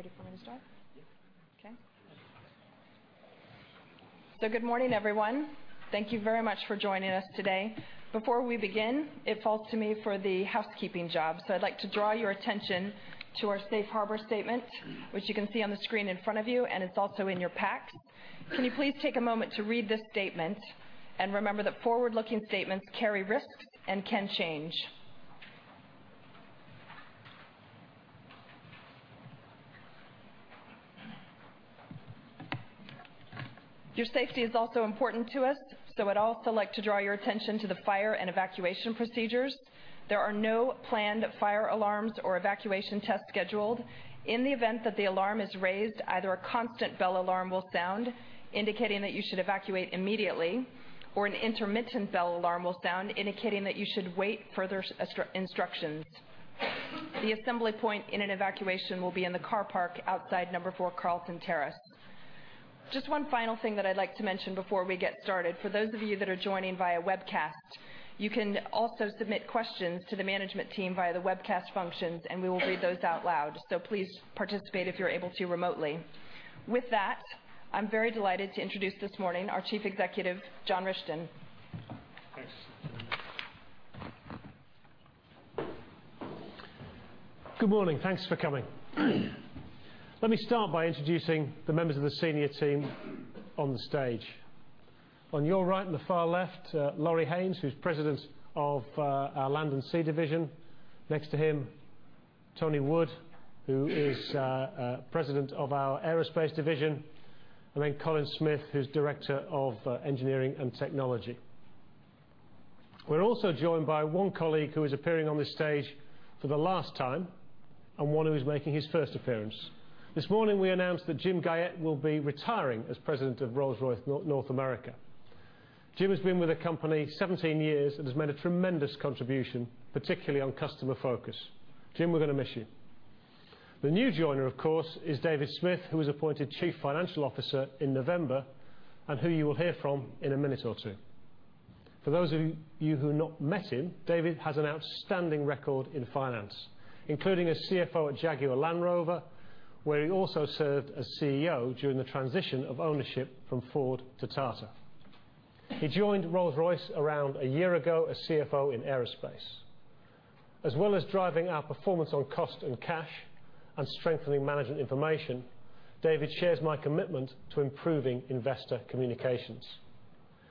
You ready for me to start? Yes. Okay. Good morning, everyone. Thank you very much for joining us today. Before we begin, it falls to me for the housekeeping job. I'd like to draw your attention to our safe harbor statement, which you can see on the screen in front of you, and it's also in your packs. Can you please take a moment to read this statement? Remember that forward-looking statements carry risks and can change. Your safety is also important to us, so I'd also like to draw your attention to the fire and evacuation procedures. There are no planned fire alarms or evacuation tests scheduled. In the event that the alarm is raised, either a constant bell alarm will sound, indicating that you should evacuate immediately, or an intermittent bell alarm will sound, indicating that you should wait for further instructions. The assembly point in an evacuation will be in the car park outside number 4 Carlton Terrace. Just one final thing that I'd like to mention before we get started. For those of you that are joining via webcast, you can also submit questions to the management team via the webcast functions, and we will read those out loud. Please participate if you're able to remotely. With that, I'm very delighted to introduce this morning our Chief Executive, John Rishton. Thanks. Good morning. Thanks for coming. Let me start by introducing the members of the senior team on the stage. On your right, on the far left, Lawrie Haynes, who's President of our Land & Sea division. Next to him, Tony Wood, who is President of our Aerospace Division, Colin Smith, who's Director of Engineering and Technology. We're also joined by one colleague who is appearing on this stage for the last time and one who is making his first appearance. This morning, we announced that Jim Guyette will be retiring as President of Rolls-Royce North America. Jim has been with the company 17 years and has made a tremendous contribution, particularly on customer focus. Jim, we're going to miss you. The new joiner, of course, is David Smith, who was appointed Chief Financial Officer in November and who you will hear from in a minute or two. For those of you who have not met him, David has an outstanding record in finance, including as CFO at Jaguar Land Rover, where he also served as CEO during the transition of ownership from Ford to Tata. He joined Rolls-Royce around a year ago as CFO in aerospace. As well as driving our performance on cost and cash and strengthening management information, David shares my commitment to improving investor communications.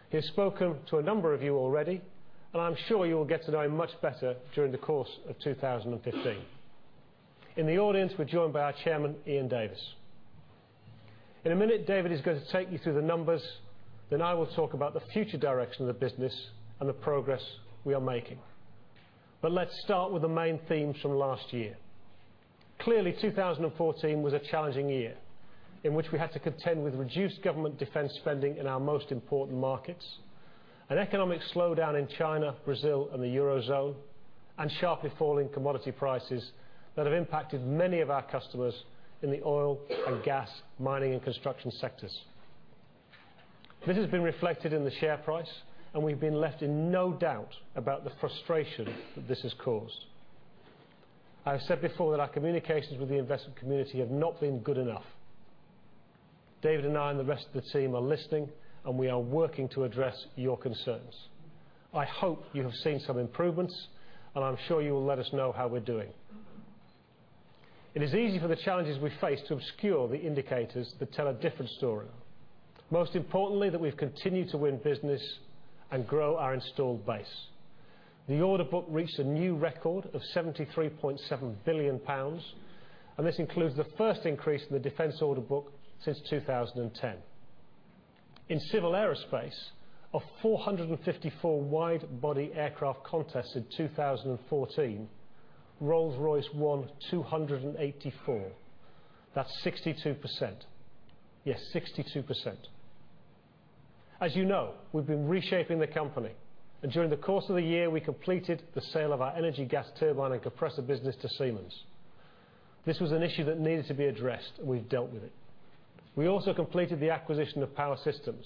He has spoken to a number of you already, and I'm sure you will get to know him much better during the course of 2015. In the audience, we're joined by our Chairman, Ian Davis. In a minute, David is going to take you through the numbers. I will talk about the future direction of the business and the progress we are making. Let's start with the main themes from last year. Clearly, 2014 was a challenging year in which we had to contend with reduced government defense spending in our most important markets, an economic slowdown in China, Brazil, and the Eurozone, and sharply falling commodity prices that have impacted many of our customers in the oil and gas, mining, and construction sectors. This has been reflected in the share price, and we've been left in no doubt about the frustration that this has caused. I have said before that our communications with the investment community have not been good enough. David and I and the rest of the team are listening, and we are working to address your concerns. I hope you have seen some improvements, and I'm sure you will let us know how we're doing. It is easy for the challenges we face to obscure the indicators that tell a different story. Most importantly, that we've continued to win business and grow our installed base. The order book reached a new record of 73.7 billion pounds, and this includes the first increase in the defense order book since 2010. In civil aerospace, of 454 wide-body aircraft contests in 2014, Rolls-Royce won 284. That's 62%. Yes, 62%. As you know, we've been reshaping the company, and during the course of the year, we completed the sale of our energy gas turbine and compressor business to Siemens. This was an issue that needed to be addressed, and we've dealt with it. We also completed the acquisition of Power Systems.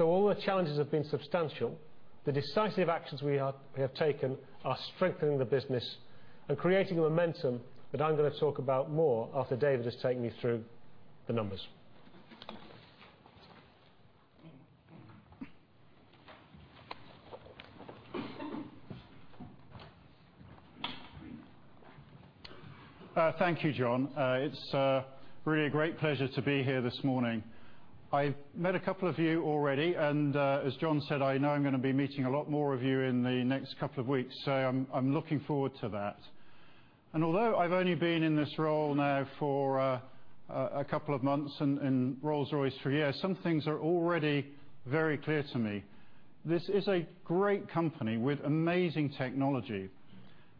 Although the challenges have been substantial, the decisive actions we have taken are strengthening the business and creating a momentum that I'm going to talk about more after David has taken you through the numbers. Thank you, John. It's really a great pleasure to be here this morning. I've met a couple of you already, and as John said, I know I'm going to be meeting a lot more of you in the next couple of weeks. I'm looking forward to that. Although I've only been in this role now for a couple of months and Rolls-Royce for a year, some things are already very clear to me. This is a great company with amazing technology,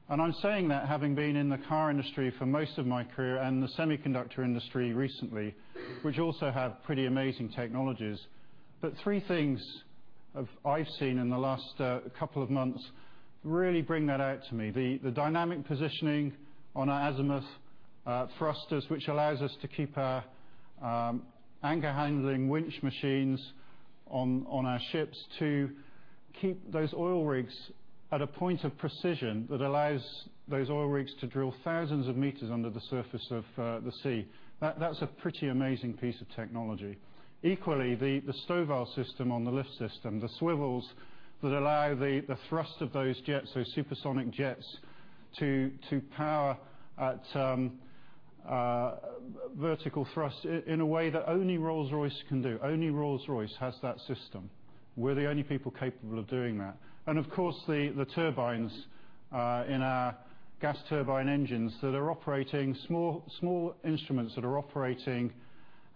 and I'm saying that having been in the car industry for most of my career and the semiconductor industry recently, which also have pretty amazing technologies. Three things I've seen in the last couple of months really bring that out to me. The dynamic positioning on our azimuth thrusters, which allows us to keep our anchor handling winch machines on our ships to keep those oil rigs at a point of precision that allows those oil rigs to drill thousands of meters under the surface of the sea. That's a pretty amazing piece of technology. Equally, the STOVL system on the lift system, the swivels that allow the thrust of those supersonic jets to power at vertical thrust in a way that only Rolls-Royce can do. Only Rolls-Royce has that system. We're the only people capable of doing that. Of course, the turbines in our gas turbine engines that are operating small instruments that are operating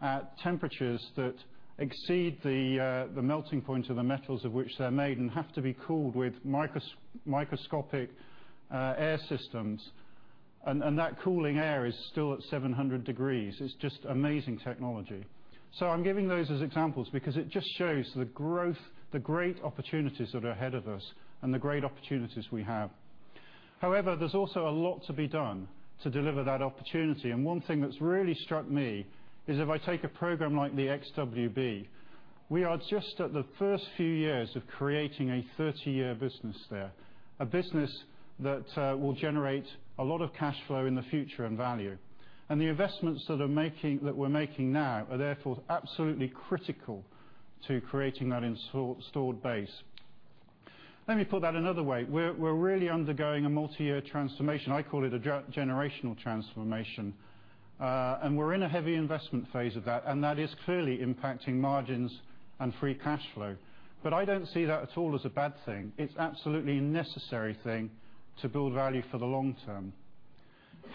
at temperatures that exceed the melting point of the metals of which they're made and have to be cooled with microscopic air systems. That cooling air is still at 700 degrees. It's just amazing technology. I'm giving those as examples because it just shows the great opportunities that are ahead of us and the great opportunities we have. However, there's also a lot to be done to deliver that opportunity. One thing that's really struck me is if I take a program like the XWB, we are just at the first few years of creating a 30-year business there, a business that will generate a lot of cash flow in the future and value. The investments that we're making now are therefore absolutely critical to creating that installed base. Let me put that another way. We're really undergoing a multi-year transformation. I call it a generational transformation. We're in a heavy investment phase of that, and that is clearly impacting margins and free cash flow. I don't see that at all as a bad thing. It's absolutely a necessary thing to build value for the long term.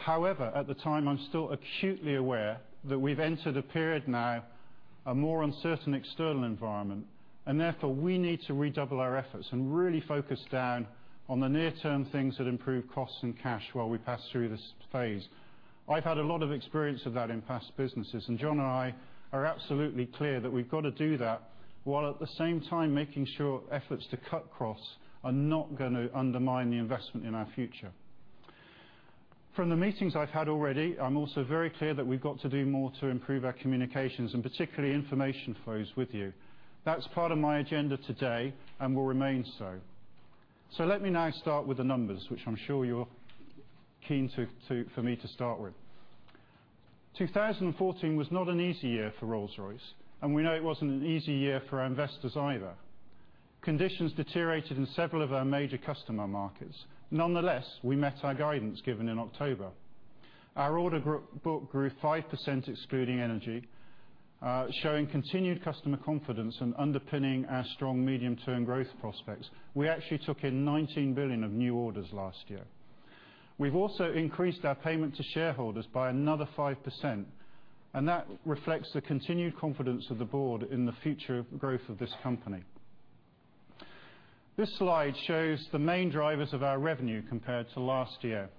However, at the time, I'm still acutely aware that we've entered a period now, a more uncertain external environment, therefore, we need to redouble our efforts and really focus down on the near-term things that improve costs and cash while we pass through this phase. I've had a lot of experience of that in past businesses, John and I are absolutely clear that we've got to do that while at the same time making sure efforts to cut costs are not going to undermine the investment in our future. From the meetings I've had already, I'm also very clear that we've got to do more to improve our communications and particularly information flows with you. That's part of my agenda today and will remain so. Let me now start with the numbers, which I'm sure you're keen for me to start with. 2014 was not an easy year for Rolls-Royce, we know it wasn't an easy year for our investors either. Conditions deteriorated in several of our major customer markets. Nonetheless, we met our guidance given in October. Our order book grew 5% excluding energy, showing continued customer confidence and underpinning our strong medium-term growth prospects. We actually took in 19 billion of new orders last year. We've also increased our payment to shareholders by another 5%, that reflects the continued confidence of the board in the future growth of this company. This slide shows the main drivers of our revenue compared to last year.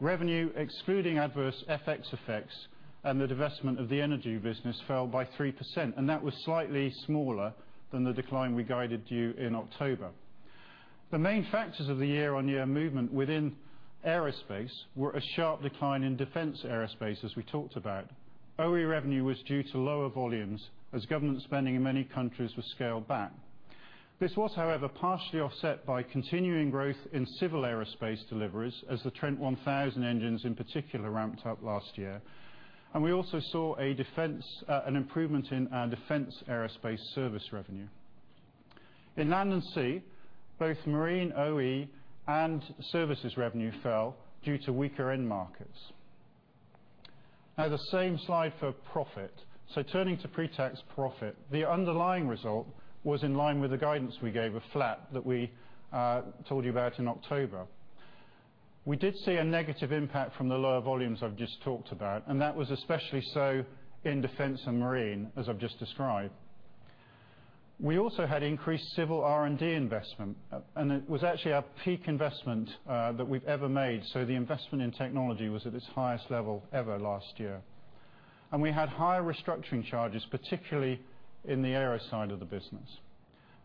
Revenue excluding adverse FX effects and the divestment of the energy business fell by 3%, that was slightly smaller than the decline we guided you in October. The main factors of the year-on-year movement within aerospace were a sharp decline in defense aerospace, as we talked about. OE revenue was due to lower volumes as government spending in many countries was scaled back. This was, however, partially offset by continuing growth in Civil Aerospace deliveries as the Trent 1000 engines in particular ramped up last year. We also saw an improvement in our defense aerospace service revenue. In Land & Sea, both marine OE and services revenue fell due to weaker end markets. The same slide for profit. Turning to pre-tax profit, the underlying result was in line with the guidance we gave, a flat that we told you about in October. We did see a negative impact from the lower volumes I've just talked about, that was especially so in defense and marine, as I've just described. We also had increased civil R&D investment, it was actually our peak investment that we've ever made. The investment in technology was at its highest level ever last year. We had higher restructuring charges, particularly in the aero side of the business.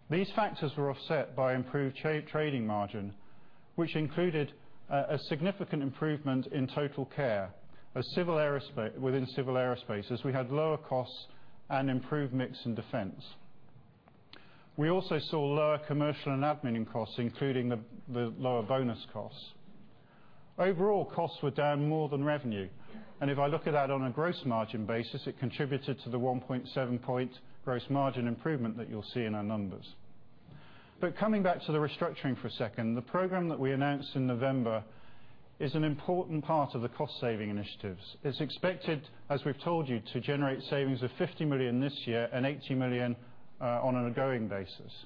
These factors were offset by improved trading margin, which included a significant improvement in TotalCare within Civil Aerospace, as we had lower costs and improved mix in defense. We also saw lower commercial and admin costs, including the lower bonus costs. Overall, costs were down more than revenue. If I look at that on a gross margin basis, it contributed to the 1.7 point gross margin improvement that you'll see in our numbers. Coming back to the restructuring for a second, the program that we announced in November is an important part of the cost-saving initiatives. It's expected, as we've told you, to generate savings of 50 million this year and 80 million on an ongoing basis.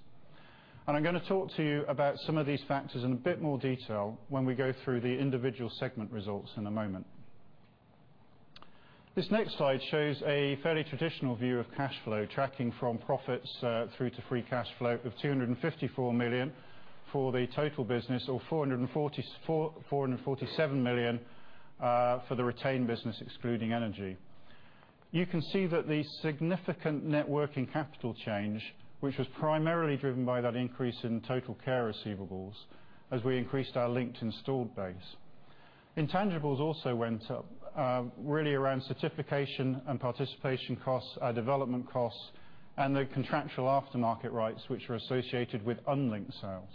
I'm going to talk to you about some of these factors in a bit more detail when we go through the individual segment results in a moment. This next slide shows a fairly traditional view of cash flow, tracking from profits through to free cash flow of 254 million for the total business or 447 million for the retained business, excluding energy. You can see that the significant net working capital change, which was primarily driven by that increase in TotalCare receivables as we increased our linked installed base. Intangibles also went up, really around certification and participation costs, our development costs, and the contractual aftermarket rights which were associated with unlinked sales.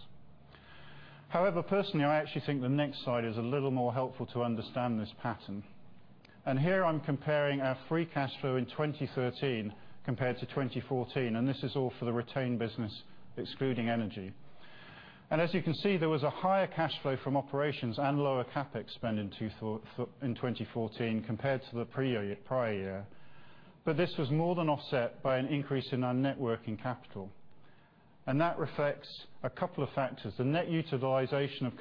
Personally, I actually think the next slide is a little more helpful to understand this pattern. Here, I'm comparing our free cash flow in 2013 compared to 2014, this is all for the retained business, excluding energy. As you can see, there was a higher cash flow from operations and lower CapEx spend in 2014 compared to the prior year. This was more than offset by an increase in our net working capital. That reflects a couple of factors. The net utilization of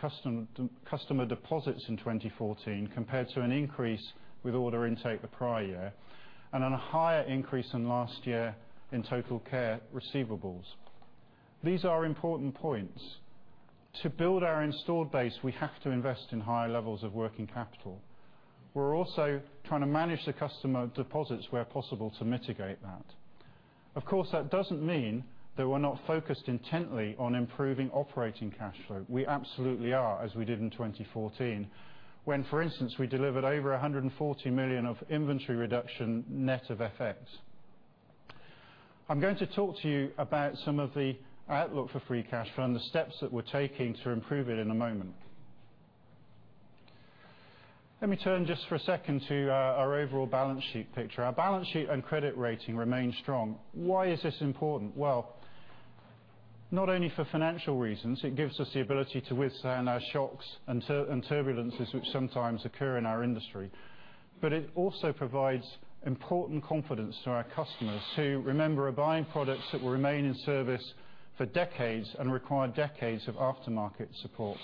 customer deposits in 2014 compared to an increase with order intake the prior year, then a higher increase than last year in TotalCare receivables. These are important points. To build our installed base, we have to invest in higher levels of working capital. We're also trying to manage the customer deposits where possible to mitigate that. Of course, that doesn't mean that we're not focused intently on improving operating cash flow. We absolutely are, as we did in 2014, when, for instance, we delivered over 140 million of inventory reduction, net of FX. Going to talk to you about some of the outlook for free cash flow and the steps that we're taking to improve it in a moment. Turn just for a second to our overall balance sheet picture. Our balance sheet and credit rating remain strong. Why is this important? Not only for financial reasons, it gives us the ability to withstand our shocks and turbulences which sometimes occur in our industry. It also provides important confidence to our customers who, remember, are buying products that will remain in service for decades and require decades of aftermarket support.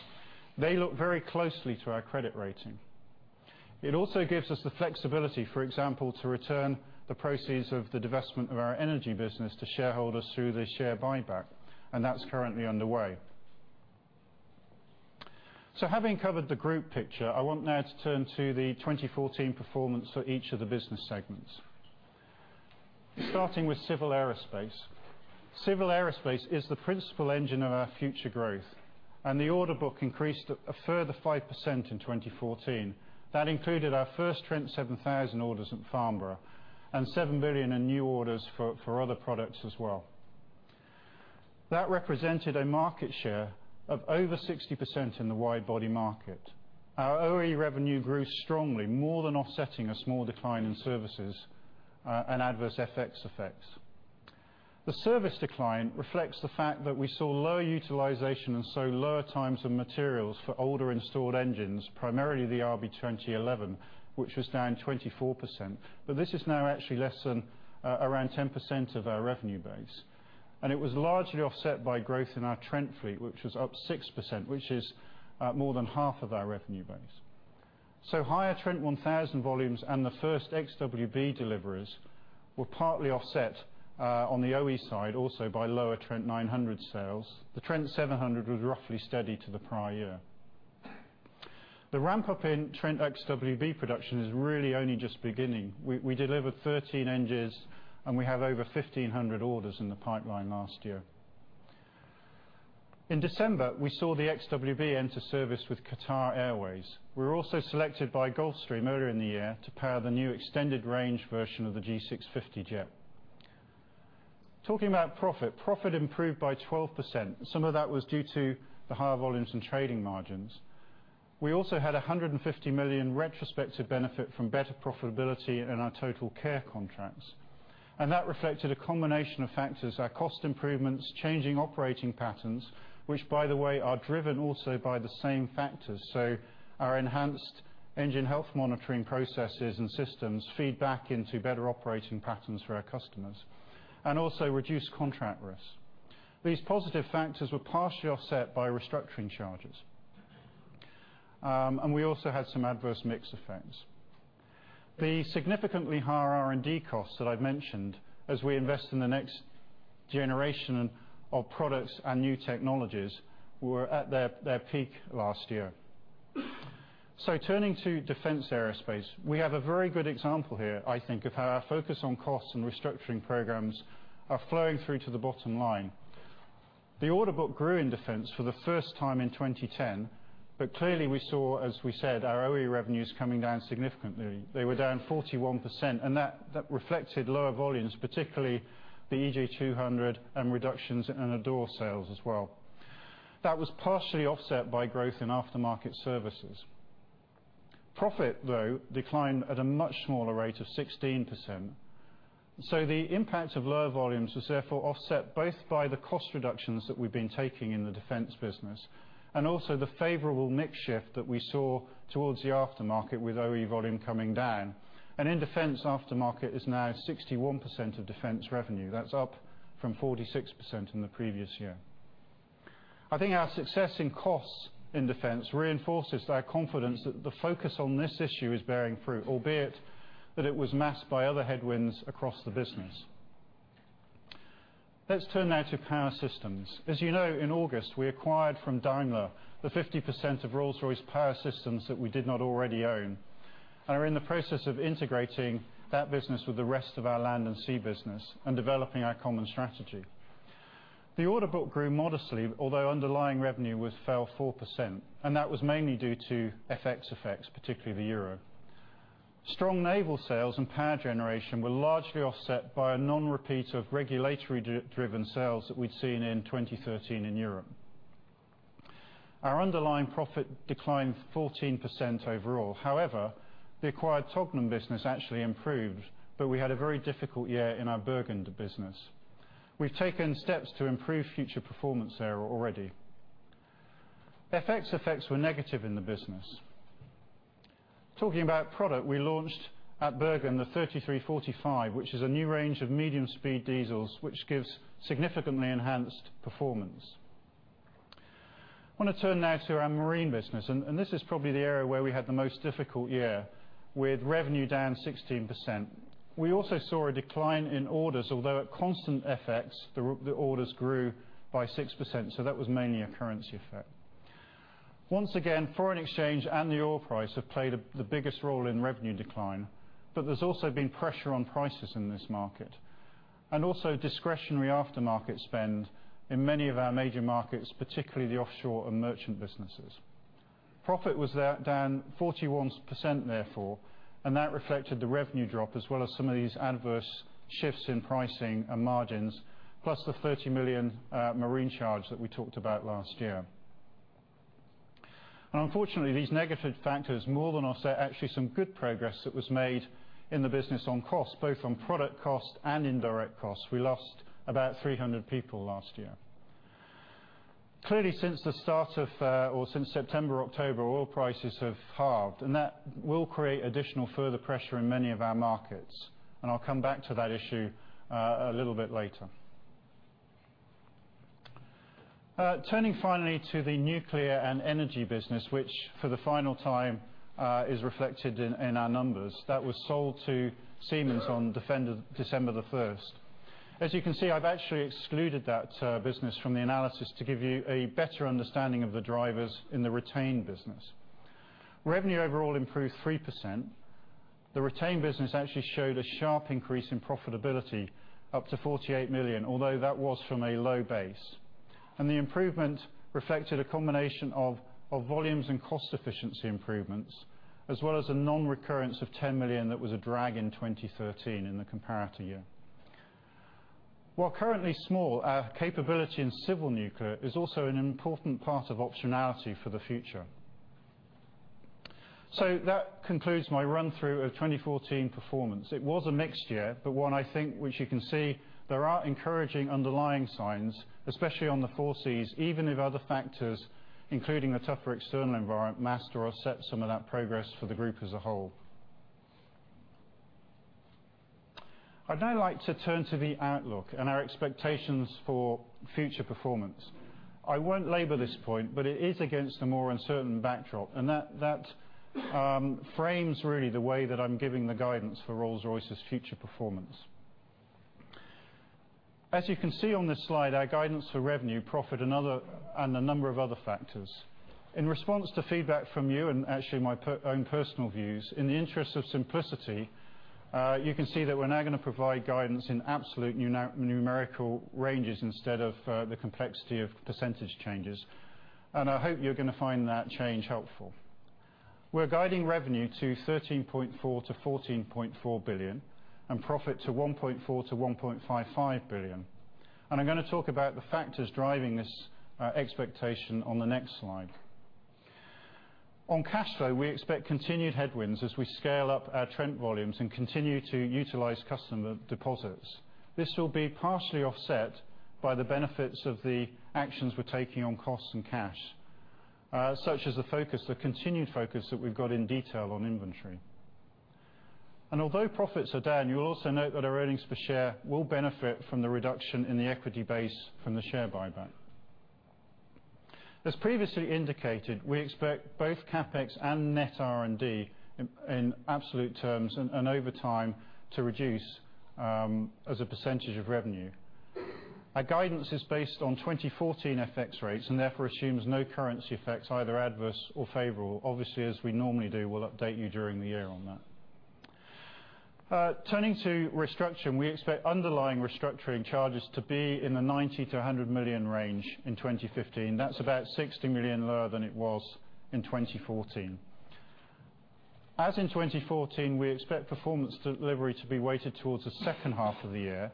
They look very closely to our credit rating. It also gives us the flexibility, for example, to return the proceeds of the divestment of our energy business to shareholders through the share buyback, and that's currently underway. Having covered the group picture, I want now to turn to the 2014 performance for each of the business segments. Starting with Civil Aerospace. Civil Aerospace is the principal engine of our future growth, and the order book increased a further 5% in 2014. That included our first Trent 7000 orders at Farnborough and 7 billion in new orders for other products as well. That represented a market share of over 60% in the wide body market. Our OE revenue grew strongly, more than offsetting a small decline in services and adverse FX effects. The service decline reflects the fact that we saw lower utilization and so lower time and materials for older installed engines, primarily the RB211, which was down 24%. This is now actually less than around 10% of our revenue base. It was largely offset by growth in our Trent fleet, which was up 6%, which is more than half of our revenue base. Higher Trent 1000 volumes and the first Trent XWB deliveries were partly offset, on the OE side, also by lower Trent 900 sales. The Trent 700 was roughly steady to the prior year. The ramp-up in Trent XWB production is really only just beginning. We delivered 13 engines, and we have over 1,500 orders in the pipeline last year. In December, we saw the Trent XWB enter service with Qatar Airways. We were also selected by Gulfstream earlier in the year to power the new extended range version of the G650 jet. Talking about profit improved by 12%. Some of that was due to the higher volumes and trading margins. We also had 150 million retrospective benefit from better profitability in our TotalCare contracts. That reflected a combination of factors, our cost improvements, changing operating patterns, which, by the way, are driven also by the same factors. Our enhanced engine health monitoring processes and systems feed back into better operating patterns for our customers and also reduce contract risk. These positive factors were partially offset by restructuring charges. We also had some adverse mix effects. The significantly higher R&D costs that I've mentioned as we invest in the next generation of products and new technologies were at their peak last year. Turning to Defense Aerospace, we have a very good example here, I think, of how our focus on costs and restructuring programs are flowing through to the bottom line. The order book grew in Defense for the first time in 2010, clearly, we saw, as we said, our OE revenues coming down significantly. They were down 41%, and that reflected lower volumes, particularly the EJ200 and reductions in Adour sales as well. That was partially offset by growth in aftermarket services. Profit, though, declined at a much smaller rate of 16%. The impact of lower volumes was therefore offset both by the cost reductions that we've been taking in the Defense business and also the favorable mix shift that we saw towards the aftermarket with OE volume coming down. In Defense, aftermarket is now 61% of Defense revenue. That's up from 46% in the previous year. I think our success in costs in Defense reinforces our confidence that the focus on this issue is bearing fruit, albeit that it was masked by other headwinds across the business. Let's turn now to Power Systems. As you know, in August, we acquired from Daimler the 50% of Rolls-Royce Power Systems that we did not already own and are in the process of integrating that business with the rest of our Land and Sea business and developing our common strategy. The order book grew modestly, although underlying revenue fell 4%, and that was mainly due to FX effects, particularly the euro. Strong naval sales and power generation were largely offset by a non-repeat of regulatory-driven sales that we'd seen in 2013 in Europe. Our underlying profit declined 14% overall. However, the acquired Tognum business actually improved, but we had a very difficult year in our Bergen business. We've taken steps to improve future performance there already. FX effects were negative in the business. Talking about product, we launched at Bergen, the B33:45 which is a new range of medium-speed diesels, which gives significantly enhanced performance. I want to turn now to our marine business, and this is probably the area where we had the most difficult year, with revenue down 16%. We also saw a decline in orders, although at constant FX, the orders grew by 6%, that was mainly a currency effect. Once again, foreign exchange and the oil price have played the biggest role in revenue decline, there's also been pressure on prices in this market. Also discretionary aftermarket spend in many of our major markets, particularly the offshore and merchant businesses. Profit was down 41% therefore, and that reflected the revenue drop, as well as some of these adverse shifts in pricing and margins, plus the 30 million marine charge that we talked about last year. Unfortunately, these negative factors more than offset actually some good progress that was made in the business on cost, both on product cost and indirect costs. We lost about 300 people last year. Clearly, since September, October, oil prices have halved. That will create additional further pressure in many of our markets, and I'll come back to that issue a little bit later. Turning finally to the nuclear and energy business, which for the final time is reflected in our numbers, that was sold to Siemens on December 1st. As you can see, I've actually excluded that business from the analysis to give you a better understanding of the drivers in the retained business. Revenue overall improved 3%. The retained business actually showed a sharp increase in profitability up to 48 million, although that was from a low base. The improvement reflected a combination of volumes and cost efficiency improvements, as well as a non-recurrence of 10 million that was a drag in 2013 in the comparator year. While currently small, our capability in civil nuclear is also an important part of optionality for the future. That concludes my run-through of 2014 performance. It was a mixed year, but one I think, which you can see there are encouraging underlying signs, especially on the four Cs, even if other factors, including the tougher external environment, masked or offset some of that progress for the group as a whole. I'd now like to turn to the outlook and our expectations for future performance. I won't labor this point, but it is against a more uncertain backdrop. That frames really the way that I'm giving the guidance for Rolls-Royce's future performance. As you can see on this slide, our guidance for revenue, profit, and a number of other factors. In response to feedback from you and actually my own personal views, in the interest of simplicity, you can see that we're now going to provide guidance in absolute numerical ranges instead of the complexity of percentage changes. I hope you're going to find that change helpful. We're guiding revenue to 13.4 billion-14.4 billion and profit to 1.4 billion-1.55 billion. I'm going to talk about the factors driving this expectation on the next slide. On cash flow, we expect continued headwinds as we scale up our Trent volumes and continue to utilize customer deposits. This will be partially offset by the benefits of the actions we're taking on costs and cash, such as the continued focus that we've got in detail on inventory. Although profits are down, you will also note that our earnings per share will benefit from the reduction in the equity base from the share buyback. As previously indicated, we expect both CapEx and net R&D in absolute terms and over time to reduce as a % of revenue. Our guidance is based on 2014 FX rates and therefore assumes no currency effects, either adverse or favorable. Obviously, as we normally do, we'll update you during the year on that. Turning to restructuring, we expect underlying restructuring charges to be in the 90 million-100 million range in 2015. That's about 60 million lower than it was in 2014. As in 2014, we expect performance delivery to be weighted towards the second half of the year.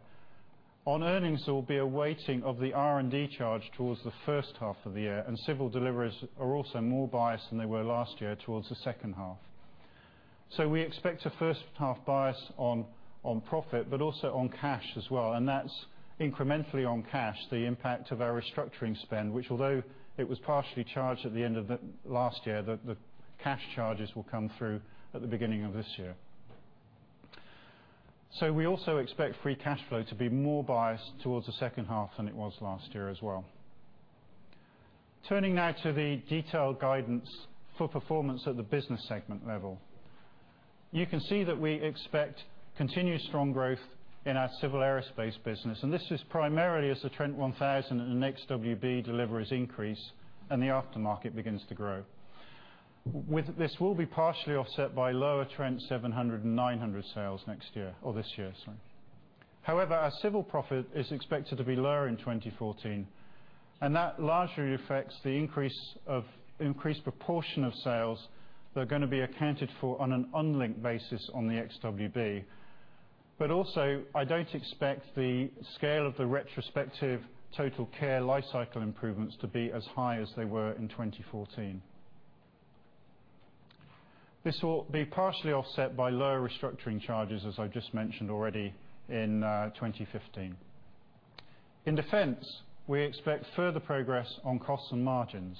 On earnings, there will be a weighting of the R&D charge towards the first half of the year, civil deliveries are also more biased than they were last year towards the second half. We expect a first-half bias on profit, but also on cash as well, and that's incrementally on cash, the impact of our restructuring spend, which although it was partially charged at the end of last year, the cash charges will come through at the beginning of this year. We also expect free cash flow to be more biased towards the second half than it was last year as well. Turning now to the detailed guidance for performance at the business segment level. You can see that we expect continued strong growth in our Civil Aerospace business, and this is primarily as the Trent 1000 and XWB deliveries increase and the aftermarket begins to grow. This will be partially offset by lower Trent 700 and 900 sales this year. However, our Civil profit is expected to be lower in 2014, and that largely affects the increased proportion of sales that are going to be accounted for on an unlinked basis on the XWB. Also, I don't expect the scale of the retrospective TotalCare lifecycle improvements to be as high as they were in 2014. This will be partially offset by lower restructuring charges, as I've just mentioned already, in 2015. In Defense, we expect further progress on costs and margins.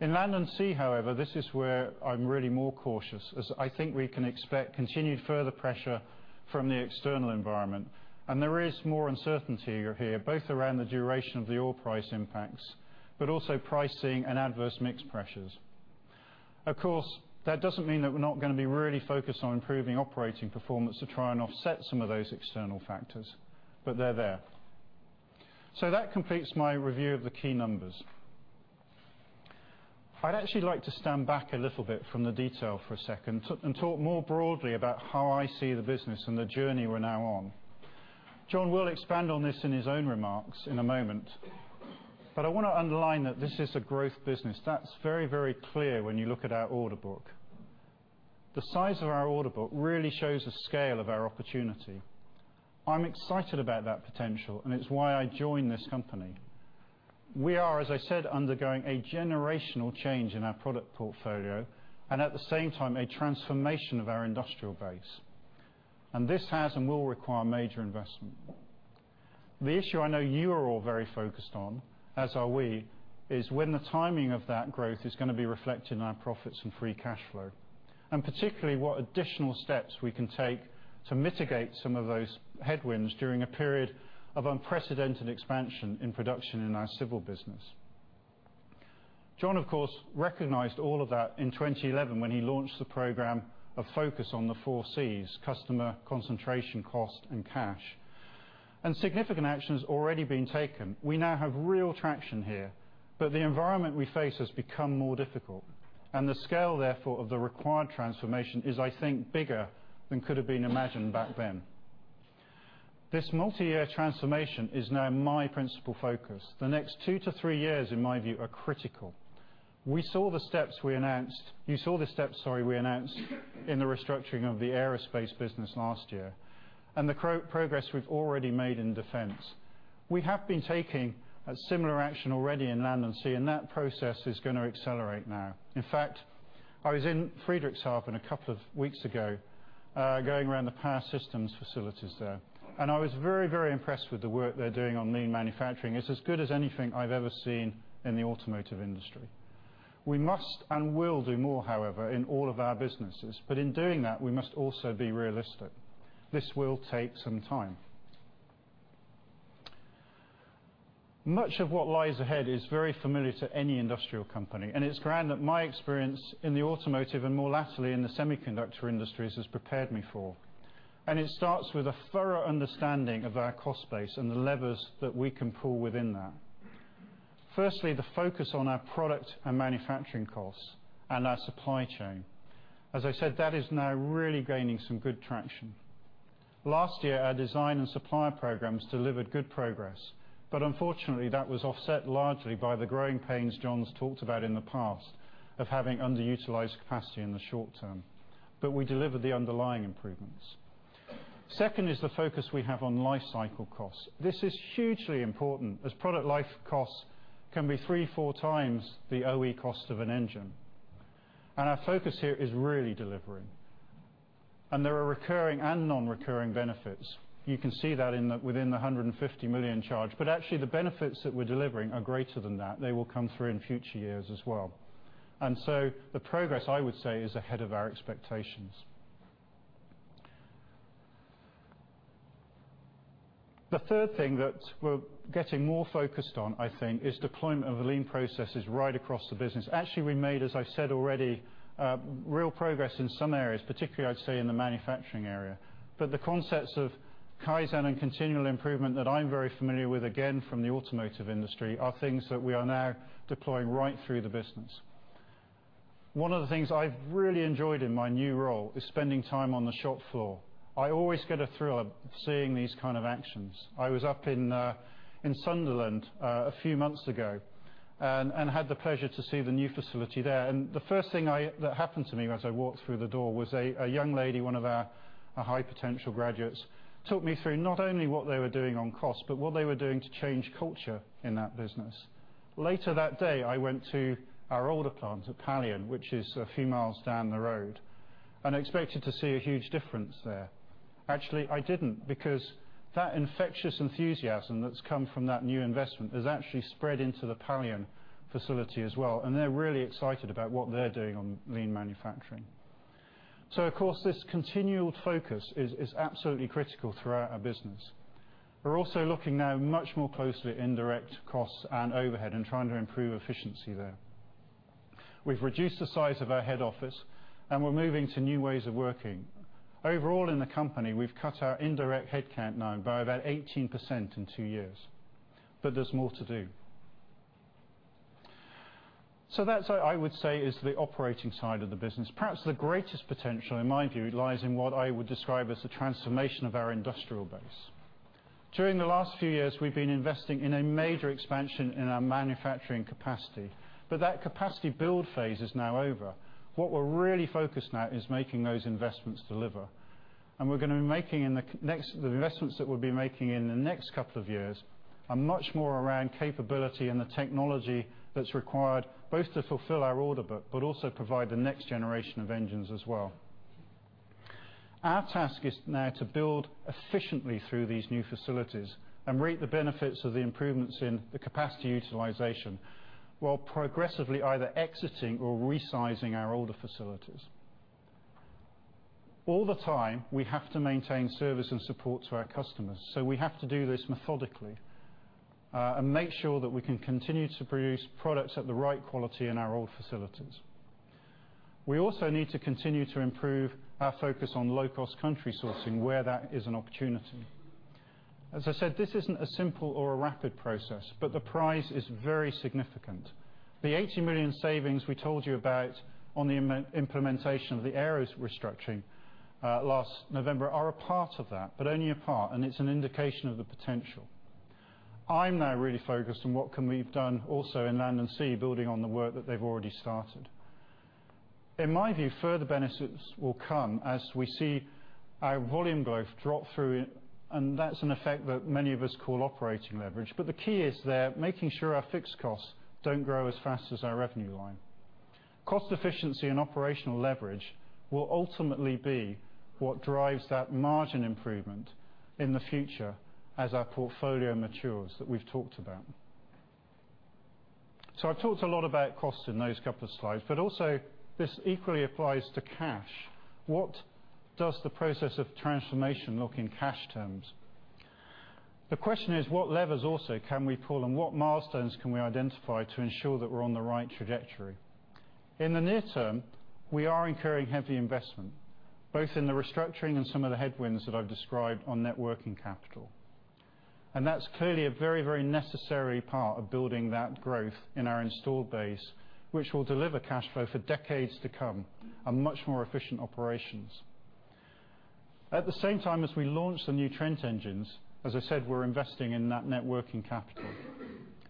In Land & Sea, however, this is where I'm really more cautious, as I think we can expect continued further pressure from the external environment. There is more uncertainty here, both around the duration of the oil price impacts, but also pricing and adverse mix pressures. Of course, that doesn't mean that we're not going to be really focused on improving operating performance to try and offset some of those external factors, but they're there. That completes my review of the key numbers. I'd actually like to stand back a little bit from the detail for a second and talk more broadly about how I see the business and the journey we're now on. John will expand on this in his own remarks in a moment, but I want to underline that this is a growth business. That's very, very clear when you look at our order book. The size of our order book really shows the scale of our opportunity. I'm excited about that potential, and it's why I joined this company. We are, as I said, undergoing a generational change in our product portfolio and, at the same time, a transformation of our industrial base. This has and will require major investment. The issue I know you are all very focused on, as are we, is when the timing of that growth is going to be reflected in our profits and free cash flow, and particularly what additional steps we can take to mitigate some of those headwinds during a period of unprecedented expansion in production in our Civil business. John, of course, recognized all of that in 2011 when he launched the program of focus on the four Cs: Customer, Concentration, Cost, and Cash. Significant action has already been taken. We now have real traction here, but the environment we face has become more difficult. The scale, therefore, of the required transformation is, I think, bigger than could have been imagined back then. This multi-year transformation is now my principal focus. The next two to three years, in my view, are critical. You saw the steps we announced in the restructuring of the aerospace business last year and the progress we've already made in Defense. We have been taking a similar action already in Land & Sea, and that process is going to accelerate now. In fact, I was in Friedrichshafen a couple of weeks ago, going around the Power Systems facilities there. I was very, very impressed with the work they're doing on lean manufacturing. It's as good as anything I've ever seen in the automotive industry. We must and will do more, however, in all of our businesses. In doing that, we must also be realistic. This will take some time. Much of what lies ahead is very familiar to any industrial company, it's ground that my experience in the automotive and more latterly in the semiconductor industries has prepared me for. It starts with a thorough understanding of our cost base and the levers that we can pull within that. Firstly, the focus on our product and manufacturing costs and our supply chain. As I said, that is now really gaining some good traction. Last year, our design and supplier programs delivered good progress, but unfortunately, that was offset largely by the growing pains John's talked about in the past of having underutilized capacity in the short term, but we delivered the underlying improvements. Second is the focus we have on lifecycle costs. This is hugely important, as product life costs can be three, four times the OE cost of an engine. Our focus here is really delivering. There are recurring and non-recurring benefits. You can see that within the 150 million charge. Actually, the benefits that we're delivering are greater than that. They will come through in future years as well. The progress, I would say, is ahead of our expectations. The third thing that we're getting more focused on, I think, is deployment of the lean processes right across the business. Actually, we made, as I said already, real progress in some areas, particularly, I'd say, in the manufacturing area. The concepts of Kaizen and continual improvement that I'm very familiar with, again, from the automotive industry, are things that we are now deploying right through the business. One of the things I've really enjoyed in my new role is spending time on the shop floor. I always get a thrill out of seeing these kind of actions. I was up in Sunderland a few months ago and had the pleasure to see the new facility there. The first thing that happened to me as I walked through the door was a young lady, one of our high-potential graduates, talked me through not only what they were doing on cost, but what they were doing to change culture in that business. Later that day, I went to our older plant at Pallion, which is a few miles down the road, and expected to see a huge difference there. Actually, I didn't because that infectious enthusiasm that's come from that new investment has actually spread into the Pallion facility as well, and they're really excited about what they're doing on lean manufacturing. Of course, this continual focus is absolutely critical throughout our business. We're also looking now much more closely at indirect costs and overhead and trying to improve efficiency there. We've reduced the size of our head office, and we're moving to new ways of working. Overall in the company, we've cut our indirect headcount now by about 18% in two years. There's more to do. That, I would say is the operating side of the business. Perhaps the greatest potential, in my view, lies in what I would describe as the transformation of our industrial base. During the last few years, we've been investing in a major expansion in our manufacturing capacity, but that capacity build phase is now over. What we're really focused on now is making those investments deliver. The investments that we'll be making in the next couple of years are much more around capability and the technology that's required, both to fulfill our order book, but also provide the next generation of engines as well. Our task is now to build efficiently through these new facilities and reap the benefits of the improvements in the capacity utilization, while progressively either exiting or resizing our older facilities. All the time, we have to maintain service and support to our customers. We have to do this methodically, and make sure that we can continue to produce products at the right quality in our old facilities. We also need to continue to improve our focus on low-cost country sourcing where that is an opportunity. As I said, this isn't a simple or a rapid process, but the prize is very significant. The 80 million savings we told you about on the implementation of the Aerospace restructuring, last November, are a part of that, but only a part, and it's an indication of the potential. I'm now really focused on what can be done also in Land & Sea, building on the work that they've already started. In my view, further benefits will come as we see our volume growth drop through, and that's an effect that many of us call operating leverage. The key is there, making sure our fixed costs don't grow as fast as our revenue line. Cost efficiency and operational leverage will ultimately be what drives that margin improvement in the future as our portfolio matures, that we've talked about. I've talked a lot about costs in those couple of slides, but also this equally applies to cash. What does the process of transformation look in cash terms? The question is, what levers also can we pull, and what milestones can we identify to ensure that we're on the right trajectory? In the near term, we are incurring heavy investment, both in the restructuring and some of the headwinds that I've described on net working capital. That's clearly a very necessary part of building that growth in our installed base, which will deliver cash flow for decades to come and much more efficient operations. At the same time as we launch the new Trent engines, as I said, we're investing in that net working capital,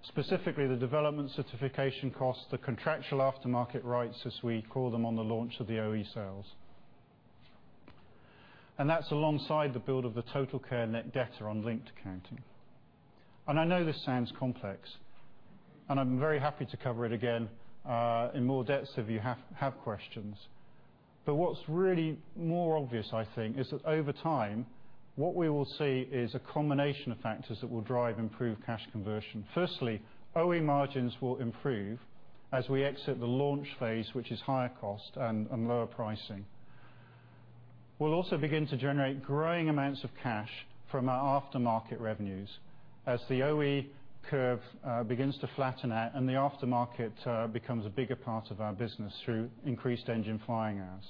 specifically the development certification cost, the contractual aftermarket rights, as we call them, on the launch of the OE sales. That's alongside the build of the TotalCare net debtor on linked accounting. I know this sounds complex, and I'm very happy to cover it again in more depth if you have questions. What's really more obvious, I think, is that over time, what we will see is a combination of factors that will drive improved cash conversion. Firstly, OE margins will improve as we exit the launch phase, which is higher cost and lower pricing. We'll also begin to generate growing amounts of cash from our aftermarket revenues as the OE curve begins to flatten out and the aftermarket becomes a bigger part of our business through increased engine flying hours.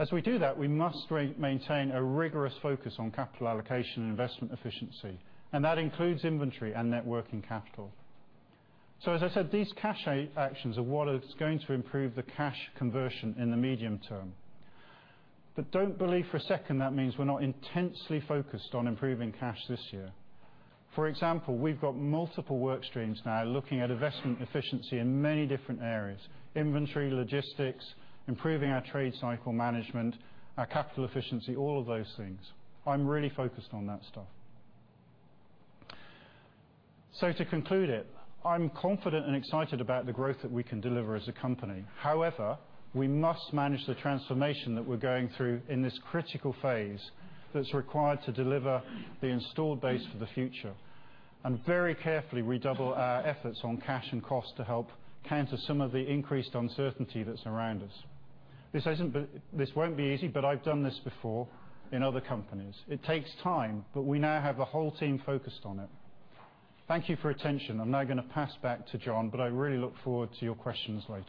As we do that, we must maintain a rigorous focus on capital allocation and investment efficiency, and that includes inventory and net working capital. As I said, these cash actions are what is going to improve the cash conversion in the medium term. Don't believe for a second that means we're not intensely focused on improving cash this year. For example, we've got multiple work streams now looking at investment efficiency in many different areas: inventory, logistics, improving our trade cycle management, our capital efficiency, all of those things. I'm really focused on that stuff. To conclude it, I'm confident and excited about the growth that we can deliver as a company. However, we must manage the transformation that we're going through in this critical phase that's required to deliver the installed base for the future, and very carefully redouble our efforts on cash and cost to help counter some of the increased uncertainty that's around us. This won't be easy, but I've done this before in other companies. It takes time, but we now have the whole team focused on it. Thank you for attention. I'm now going to pass back to John, but I really look forward to your questions later.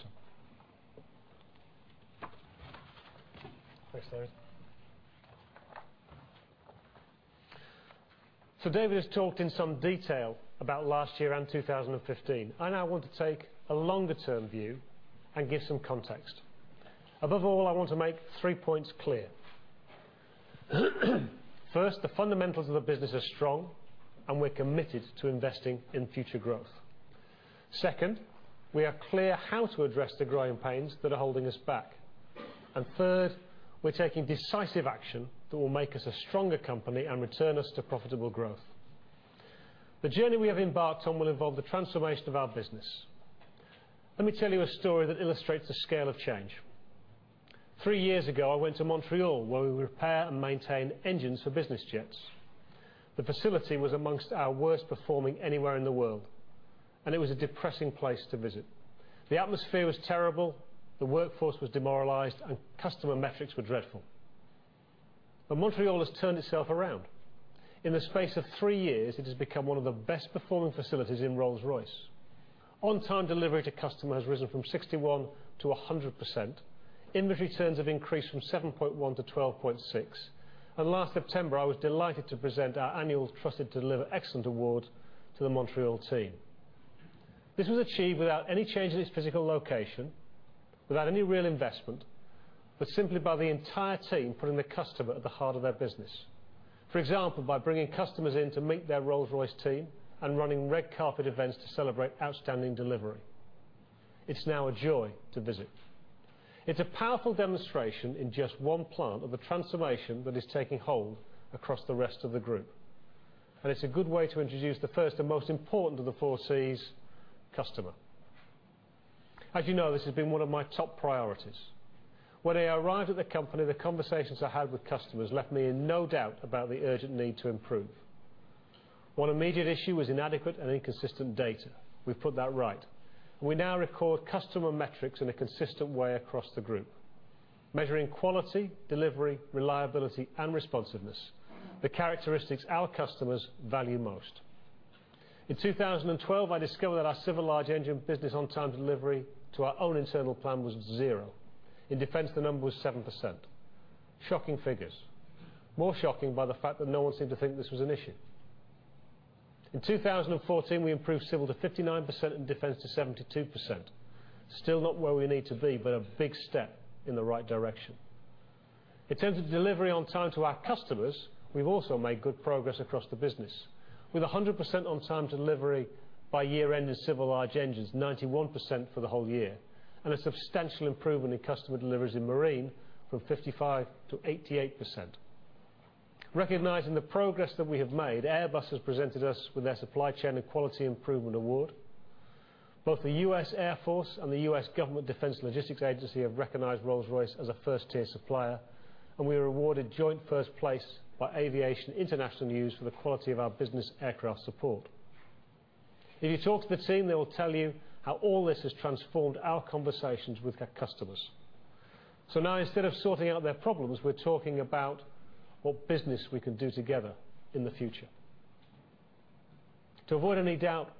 Thanks, David. David has talked in some detail about last year and 2015. I now want to take a longer-term view and give some context. Above all, I want to make three points clear. First, the fundamentals of the business are strong, and we're committed to investing in future growth. Second, we are clear how to address the growing pains that are holding us back. Third, we're taking decisive action that will make us a stronger company and return us to profitable growth. The journey we have embarked on will involve the transformation of our business. Let me tell you a story that illustrates the scale of change. Three years ago, I went to Montreal, where we repair and maintain engines for business jets. The facility was amongst our worst performing anywhere in the world, and it was a depressing place to visit. The atmosphere was terrible, the workforce was demoralized, and customer metrics were dreadful. Montreal has turned itself around. In the space of three years, it has become one of the best performing facilities in Rolls-Royce. On-time delivery to customer has risen from 61% to 100%. Inventory turns have increased from 7.1 to 12.6. Last September, I was delighted to present our annual Trusted to Deliver Excellence award to the Montreal team. This was achieved without any change in its physical location, without any real investment, but simply by the entire team putting the customer at the heart of their business. For example, by bringing customers in to meet their Rolls-Royce team and running red carpet events to celebrate outstanding delivery. It's now a joy to visit. It's a powerful demonstration in just one plant of the transformation that is taking hold across the rest of the group. It's a good way to introduce the first and most important of the four Cs, customer. As you know, this has been one of my top priorities. When I arrived at the company, the conversations I had with customers left me in no doubt about the urgent need to improve. One immediate issue was inadequate and inconsistent data. We've put that right. We now record customer metrics in a consistent way across the group, measuring quality, delivery, reliability, and responsiveness, the characteristics our customers value most. In 2012, I discovered that our civil large engine business on-time delivery to our own internal plan was zero. In defense, the number was 7%. Shocking figures. More shocking by the fact that no one seemed to think this was an issue. In 2014, we improved civil to 59% and defense to 72%. Still not where we need to be, a big step in the right direction. In terms of delivery on time to our customers, we've also made good progress across the business with 100% on-time delivery by year-end in civil large engines, 91% for the whole year, and a substantial improvement in customer deliveries in marine from 55% to 88%. Recognizing the progress that we have made, Airbus has presented us with their Supply Chain and Quality Improvement Award. Both the U.S. Air Force and the U.S. Government Defense Logistics Agency have recognized Rolls-Royce as a 1st-tier supplier, and we were awarded joint first place by Aviation International News for the quality of our business aircraft support. If you talk to the team, they will tell you how all this has transformed our conversations with their customers. Now, instead of sorting out their problems, we're talking about what business we can do together in the future. To avoid any doubt,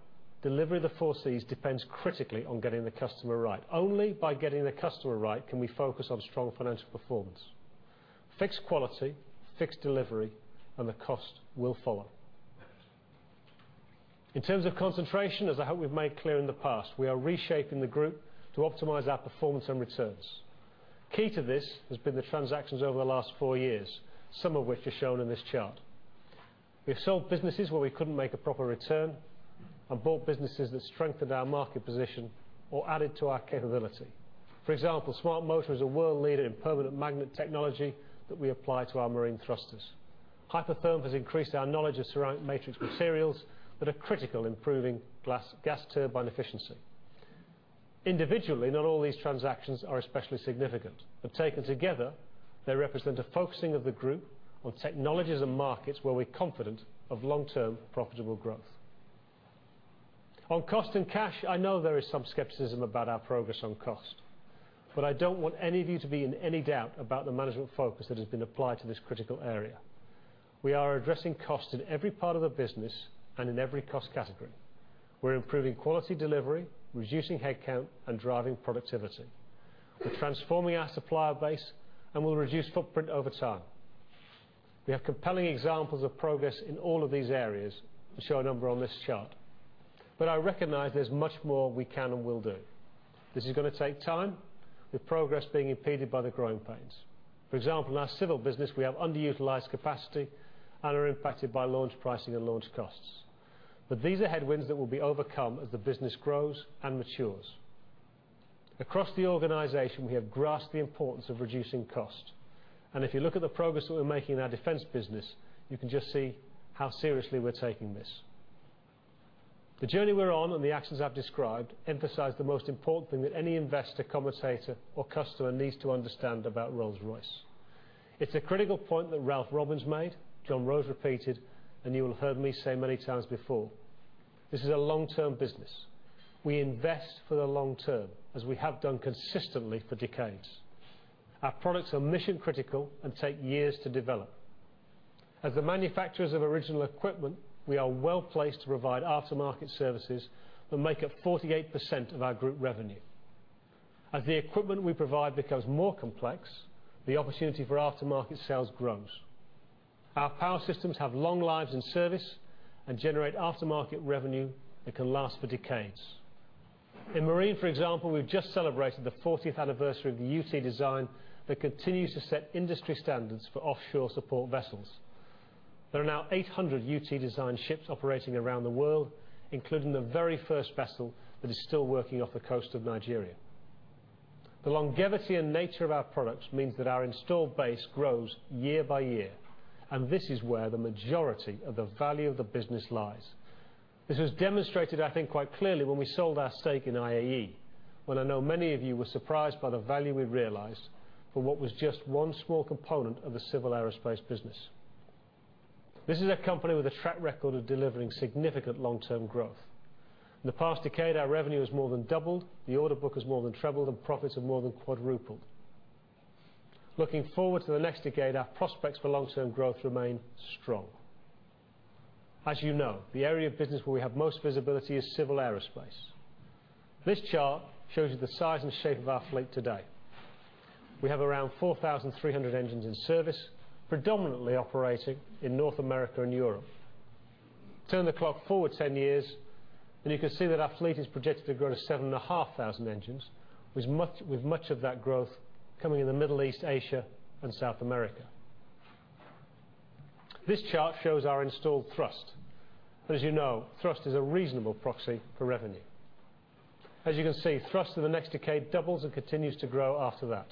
delivery of the four Cs depends critically on getting the customer right. Only by getting the customer right can we focus on strong financial performance. Fix quality, fix delivery, and the cost will follow. In terms of concentration, as I hope we've made clear in the past, we are reshaping the group to optimize our performance and returns. Key to this has been the transactions over the last four years, some of which are shown in this chart. We have sold businesses where we couldn't make a proper return and bought businesses that strengthened our market position or added to our capability. For example, SmartMotor is a world leader in permanent magnet technology that we apply to our marine thrusters. Hyper-Therm has increased our knowledge of ceramic matrix materials that are critical in improving gas turbine efficiency. Individually, not all these transactions are especially significant, but taken together, they represent a focusing of the group on technologies and markets where we're confident of long-term profitable growth. On cost and cash, I know there is some skepticism about our progress on cost, but I don't want any of you to be in any doubt about the management focus that has been applied to this critical area. We are addressing cost in every part of the business and in every cost category. We're improving quality delivery, reducing headcount, and driving productivity. We're transforming our supplier base and will reduce footprint over time. We have compelling examples of progress in all of these areas. I show a number on this chart, but I recognize there's much more we can and will do. This is going to take time, with progress being impeded by the growing pains. For example, in our Civil business, we have underutilized capacity and are impacted by launch pricing and launch costs. These are headwinds that will be overcome as the business grows and matures. Across the organization, we have grasped the importance of reducing cost. If you look at the progress that we're making in our Defense business, you can just see how seriously we're taking this. The journey we're on and the actions I've described emphasize the most important thing that any investor, commentator, or customer needs to understand about Rolls-Royce. It's a critical point that Ralph Robins made, John Rose repeated, and you will have heard me say many times before. This is a long-term business. We invest for the long term, as we have done consistently for decades. Our products are mission-critical and take years to develop. As the manufacturers of original equipment, we are well-placed to provide aftermarket services that make up 48% of our group revenue. As the equipment we provide becomes more complex, the opportunity for aftermarket sales grows. Our Power Systems have long lives in service and generate aftermarket revenue that can last for decades. In marine, for example, we've just celebrated the 40th anniversary of the UT design that continues to set industry standards for offshore support vessels. There are now 800 UT design ships operating around the world, including the very first vessel that is still working off the coast of Nigeria. The longevity and nature of our products means that our installed base grows year by year, and this is where the majority of the value of the business lies. This was demonstrated, I think, quite clearly when we sold our stake in IAE. When I know many of you were surprised by the value we realized for what was just one small component of the Civil Aerospace business. This is a company with a track record of delivering significant long-term growth. In the past decade, our revenue has more than doubled, the order book has more than trebled, and profits have more than quadrupled. Looking forward to the next decade, our prospects for long-term growth remain strong. As you know, the area of business where we have most visibility is Civil Aerospace. This chart shows you the size and shape of our fleet today. We have around 4,300 engines in service, predominantly operating in North America and Europe. Turn the clock forward 10 years, you can see that our fleet is projected to grow to 7,500 engines, with much of that growth coming in the Middle East, Asia, and South America. This chart shows our installed thrust. As you know, thrust is a reasonable proxy for revenue. As you can see, thrust in the next decade doubles and continues to grow after that.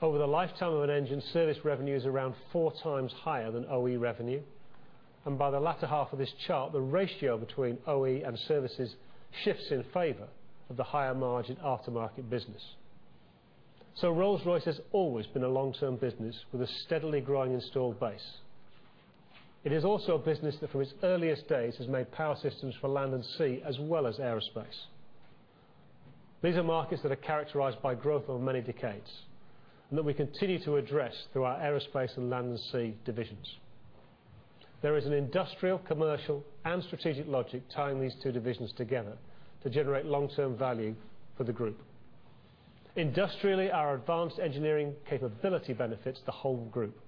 Over the lifetime of an engine, service revenue is around four times higher than OE revenue. By the latter half of this chart, the ratio between OE and services shifts in favor of the higher margin aftermarket business. Rolls-Royce has always been a long-term business with a steadily growing installed base. It is also a business that, from its earliest days, has made power systems for land and sea, as well as aerospace. These are markets that are characterized by growth over many decades and that we continue to address through our Aerospace and Land & Sea divisions. There is an industrial, commercial, and strategic logic tying these two divisions together to generate long-term value for the group. Industrially, our advanced engineering capability benefits the whole group.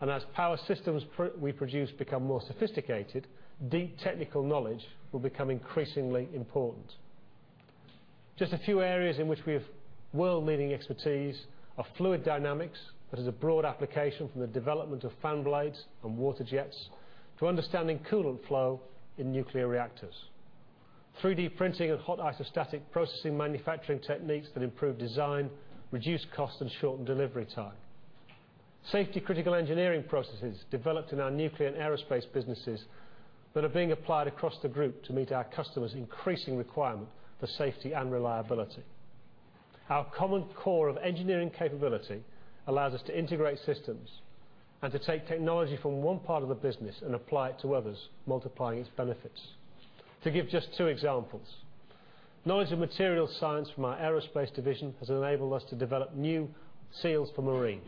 As power systems we produce become more sophisticated, deep technical knowledge will become increasingly important. Just a few areas in which we have world-leading expertise are fluid dynamics, that is a broad application from the development of fan blades and water jets to understanding coolant flow in nuclear reactors. 3D printing and hot isostatic processing manufacturing techniques that improve design, reduce cost, and shorten delivery time. Safety critical engineering processes developed in our nuclear and aerospace businesses that are being applied across the group to meet our customers' increasing requirement for safety and reliability. Our common core of engineering capability allows us to integrate systems and to take technology from one part of the business and apply it to others, multiplying its benefits. To give just two examples, knowledge of material science from our Aerospace division has enabled us to develop new seals for marine.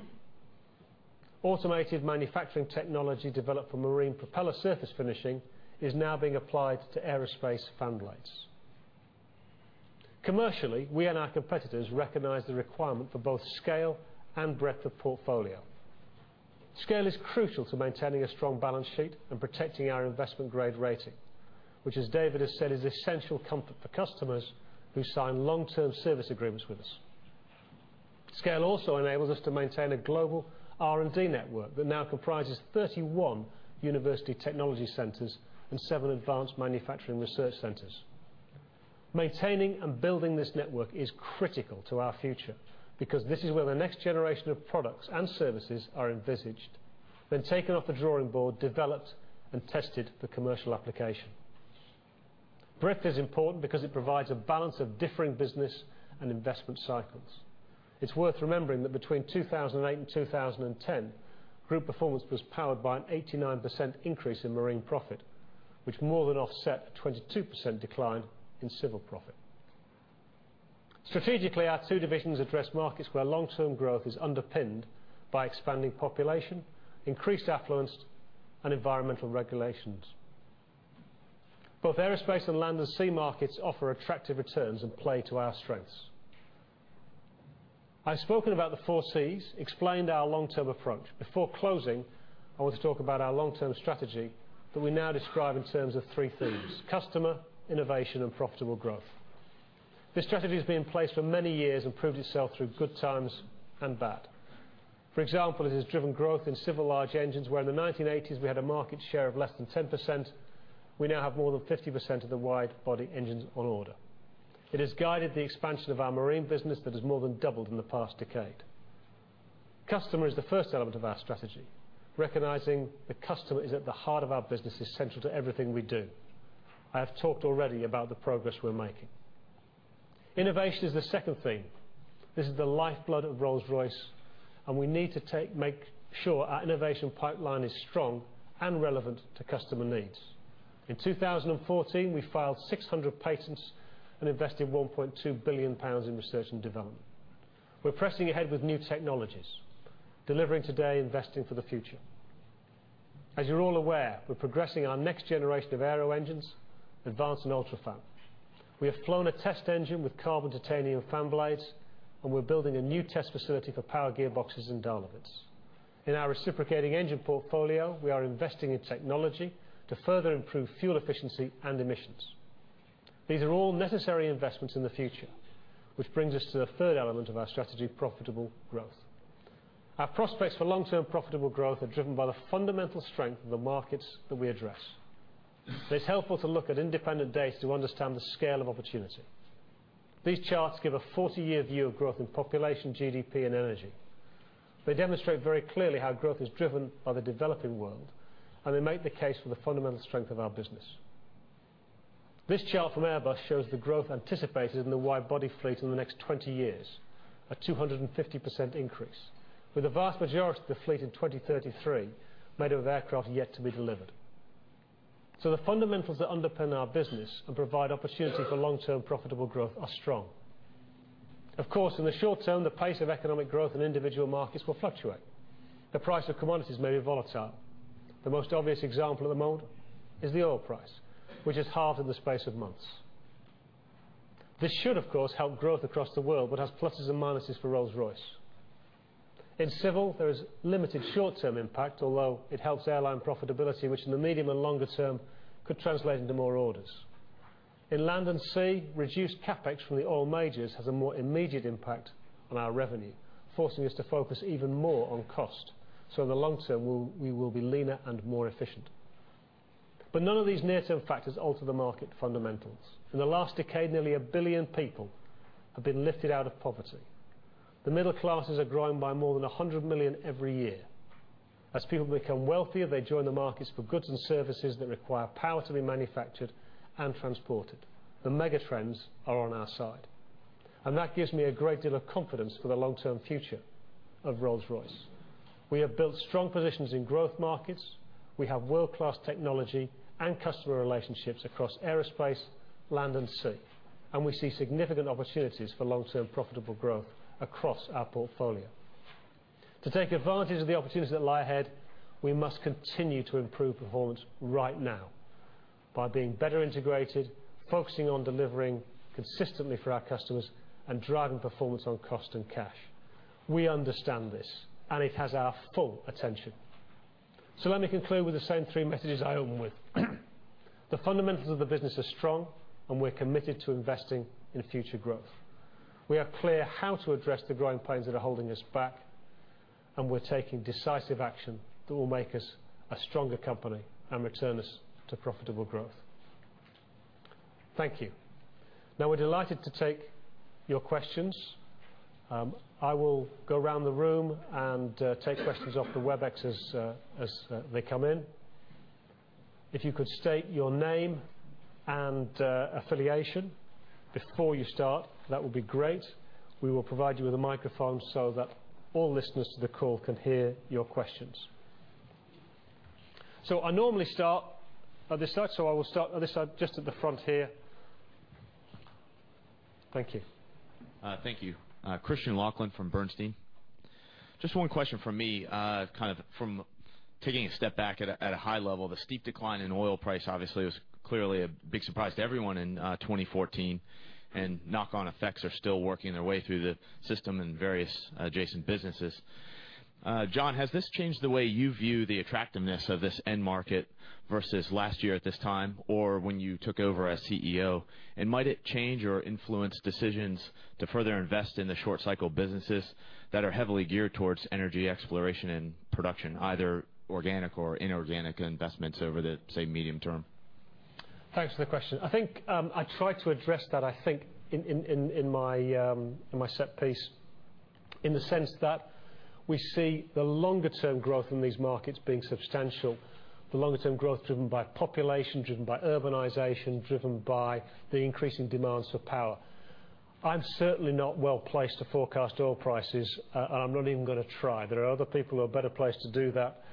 Automated manufacturing technology developed for marine propeller surface finishing is now being applied to aerospace fan blades. Commercially, we and our competitors recognize the requirement for both scale and breadth of portfolio. Scale is crucial to maintaining a strong balance sheet and protecting our investment-grade rating, which as David has said, is essential comfort for customers who sign long-term service agreements with us. Scale also enables us to maintain a global R&D network that now comprises 31 university technology centers and seven advanced manufacturing research centers. Maintaining and building this network is critical to our future because this is where the next generation of products and services are envisaged, then taken off the drawing board, developed, and tested for commercial application. Breadth is important because it provides a balance of differing business and investment cycles. It's worth remembering that between 2008 and 2010, group performance was powered by an 89% increase in marine profit, which more than offset a 22% decline in civil profit. Strategically, our two divisions address markets where long-term growth is underpinned by expanding population, increased affluence, and environmental regulations. Both aerospace and land and sea markets offer attractive returns and play to our strengths. I've spoken about the four Cs, explained our long-term approach. Before closing, I want to talk about our long-term strategy that we now describe in terms of three themes: customer, innovation, and profitable growth. This strategy has been in place for many years and proved itself through good times and bad. For example, it has driven growth in civil large engines, where in the 1980s we had a market share of less than 10%, we now have more than 50% of the wide body engines on order. It has guided the expansion of our marine business that has more than doubled in the past decade. Customer is the first element of our strategy. Recognizing the customer is at the heart of our business is central to everything we do. I have talked already about the progress we're making. Innovation is the second theme. This is the lifeblood of Rolls-Royce, and we need to make sure our innovation pipeline is strong and relevant to customer needs. In 2014, we filed 600 patents and invested 1.2 billion pounds in research and development. We're pressing ahead with new technologies, delivering today, investing for the future. As you're all aware, we're progressing our next generation of aero engines, advanced and UltraFan. We have flown a test engine with carbon titanium fan blades, and we're building a new test facility for power gearboxes and downlofts. In our reciprocating engine portfolio, we are investing in technology to further improve fuel efficiency and emissions. These are all necessary investments in the future, which brings us to the third element of our strategy, profitable growth. Our prospects for long-term profitable growth are driven by the fundamental strength of the markets that we address. It's helpful to look at independent data to understand the scale of opportunity. These charts give a 40-year view of growth in population, GDP, and energy. They demonstrate very clearly how growth is driven by the developing world, and they make the case for the fundamental strength of our business. This chart from Airbus shows the growth anticipated in the wide body fleet in the next 20 years, a 250% increase, with the vast majority of the fleet in 2033 made of aircraft yet to be delivered. The fundamentals that underpin our business and provide opportunity for long-term profitable growth are strong. Of course, in the short term, the pace of economic growth in individual markets will fluctuate. The price of commodities may be volatile. The most obvious example at the moment is the oil price, which has halved in the space of months. This should, of course, help growth across the world, but has pluses and minuses for Rolls-Royce. In civil, there is limited short-term impact, although it helps airline profitability, which in the medium and longer term could translate into more orders. In land and sea, reduced CapEx from the oil majors has a more immediate impact on our revenue, forcing us to focus even more on cost. In the long term, we will be leaner and more efficient. None of these near-term factors alter the market fundamentals. In the last decade, nearly a billion people have been lifted out of poverty. The middle classes are growing by more than 100 million every year. As people become wealthier, they join the markets for goods and services that require power to be manufactured and transported. The mega trends are on our side, and that gives me a great deal of confidence for the long-term future of Rolls-Royce. We have built strong positions in growth markets. We have world-class technology and customer relationships across Aerospace, Land & Sea, and we see significant opportunities for long-term profitable growth across our portfolio. To take advantage of the opportunities that lie ahead, we must continue to improve performance right now by being better integrated, focusing on delivering consistently for our customers, and driving performance on cost and cash. We understand this, and it has our full attention. Let me conclude with the same three messages I opened with. The fundamentals of the business are strong, and we're committed to investing in future growth. We are clear how to address the growing pains that are holding us back, and we're taking decisive action that will make us a stronger company and return us to profitable growth. Thank you. We're delighted to take your questions. I will go around the room and take questions off the Webex as they come in. If you could state your name and affiliation before you start, that would be great. We will provide you with a microphone so that all listeners to the call can hear your questions. I normally start at this side, so I will start at this side, just at the front here. Thank you. Thank you. Christian Laughlin from Bernstein. Just one question from me, kind of from taking a step back at a high level. The steep decline in oil price obviously was clearly a big surprise to everyone in 2014, and knock-on effects are still working their way through the system in various adjacent businesses. John, has this changed the way you view the attractiveness of this end market versus last year at this time, or when you took over as CEO? Might it change or influence decisions to further invest in the short-cycle businesses that are heavily geared towards energy exploration and production, either organic or inorganic investments over the, say, medium term? Thanks for the question. I think I tried to address that, I think, in my set piece, in the sense that we see the longer-term growth in these markets being substantial. The longer-term growth driven by population, driven by urbanization, driven by the increasing demands for power. I'm certainly not well-placed to forecast oil prices, and I'm not even going to try. There are other people who are better placed to do that,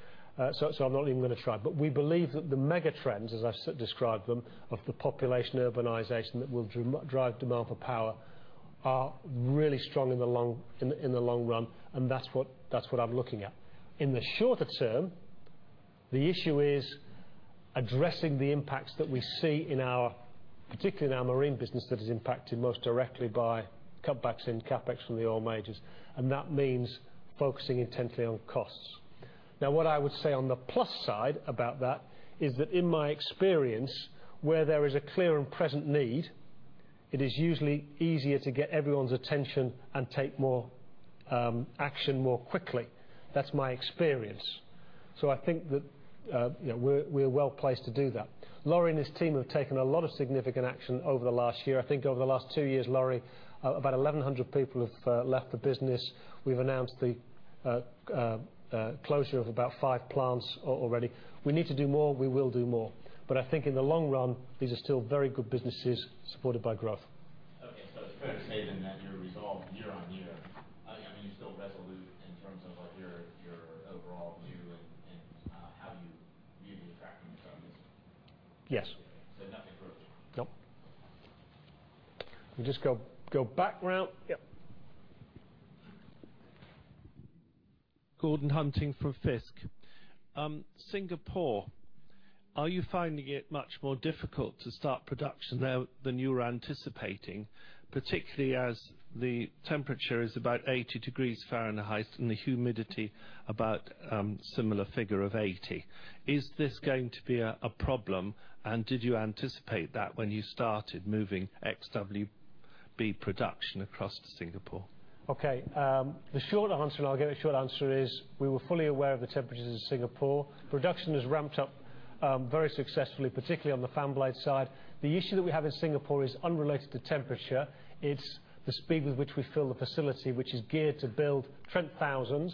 so I'm not even going to try. We believe that the mega trends, as I described them, of the population urbanization that will drive demand for power, are really strong in the long run, and that's what I'm looking at. In the shorter term, the issue is addressing the impacts that we see, particularly in our marine business, that is impacted most directly by cutbacks in CapEx from the oil majors, and that means focusing intently on costs. What I would say on the plus side about that is that in my experience, where there is a clear and present need, it is usually easier to get everyone's attention and take action more quickly. That's my experience. I think that we're well-placed to do that. Lawrie and his team have taken a lot of significant action over the last year. I think over the last two years, Lawrie, about 1,100 people have left the business. We've announced the closure of about five plants already. We need to do more. We will do more. I think in the long run, these are still very good businesses supported by growth. Fair to say then that your resolve year-on-year, you still resolute in terms of your overall view and how you view the attractiveness of these? Yes. Nothing's broken. No. We just go back round. Yep. Gordon Hunting from Fiske. Singapore, are you finding it much more difficult to start production there than you were anticipating, particularly as the temperature is about 80 degrees Fahrenheit and the humidity about a similar figure of 80? Is this going to be a problem, and did you anticipate that when you started moving XWB production across to Singapore? Okay. The short answer, and I'll give a short answer, is we were fully aware of the temperatures in Singapore. Production has ramped up very successfully, particularly on the fan blade side. The issue that we have in Singapore is unrelated to temperature. It's the speed with which we fill the facility, which is geared to build Trent 1000s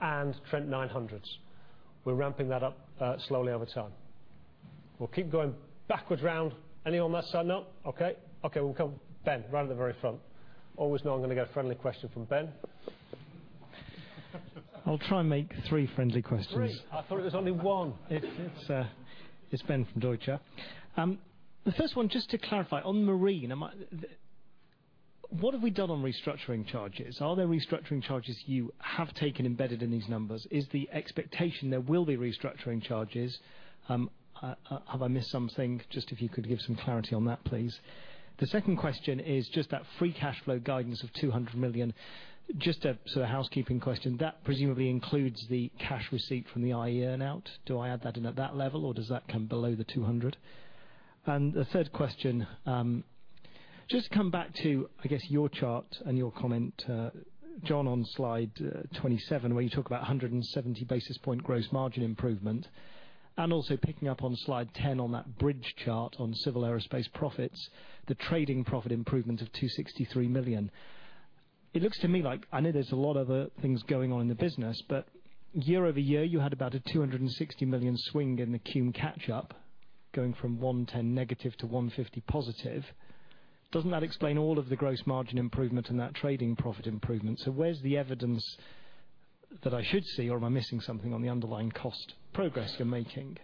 and Trent 900s. We're ramping that up slowly over time. We'll keep going backward round. Anyone on that side? No? Okay. Okay, we'll come Ben, right at the very front. Always know I'm going to get a friendly question from Ben. I'll try and make three friendly questions. Three? I thought it was only one. It's Ben from Deutsche. The first one, just to clarify on Marine, what have we done on restructuring charges? Are there restructuring charges you have taken embedded in these numbers? Is the expectation there will be restructuring charges? Have I missed something? Just if you could give some clarity on that, please. The second question is just that free cash flow guidance of 200 million. Just a sort of housekeeping question, that presumably includes the cash receipt from the IAE earn-out. Do I add that in at that level, or does that come below the 200? The third question, just to come back to, I guess, your chart and your comment, John, on slide 27, where you talk about 170 basis point gross margin improvement. Also picking up on slide 10 on that bridge chart on Civil Aerospace profits, the trading profit improvement of 263 million. It looks to me like, I know there's a lot of other things going on in the business, but year-over-year, you had about a 260 million swing in the TPC catch-up, going from 110 negative to 150 positive. Doesn't that explain all of the gross margin improvement and that trading profit improvement? Where's the evidence that I should see, or am I missing something on the underlying cost progress you're making?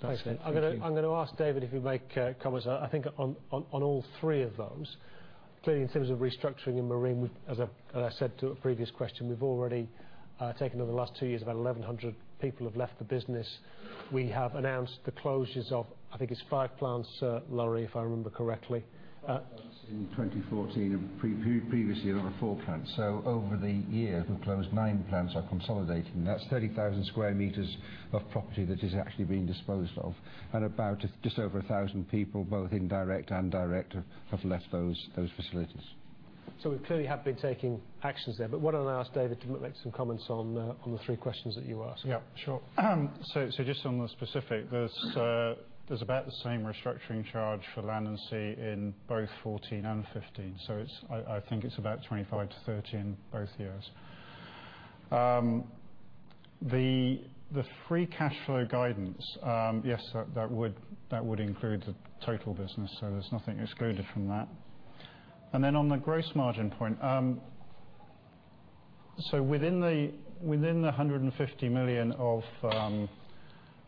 Thanks, Ben. I'm going to ask David if he'll make comments, I think on all three of those. Clearly in terms of restructuring in Marine, as I said to a previous question, we've already taken over the last two years, about 1,100 people have left the business. We have announced the closures of, I think it's five plants, Lawrie, if I remember correctly. five plants in 2014 and previously another four plants. Over the year, we've closed nine plants or consolidated, and that's 30,000 sq m of property that is actually being disposed of. About just over 1,000 people, both indirect and direct, have left those facilities. We clearly have been taking actions there. Why don't I ask David to make some comments on the three questions that you asked? Yeah, sure. Just on the specific, there's about the same restructuring charge for Land & Sea in both 2014 and 2015. I think it's about 25-30 in both years. The free cash flow guidance, yes, that would include the total business, so there's nothing excluded from that. Then on the gross margin point. Within the 150 million of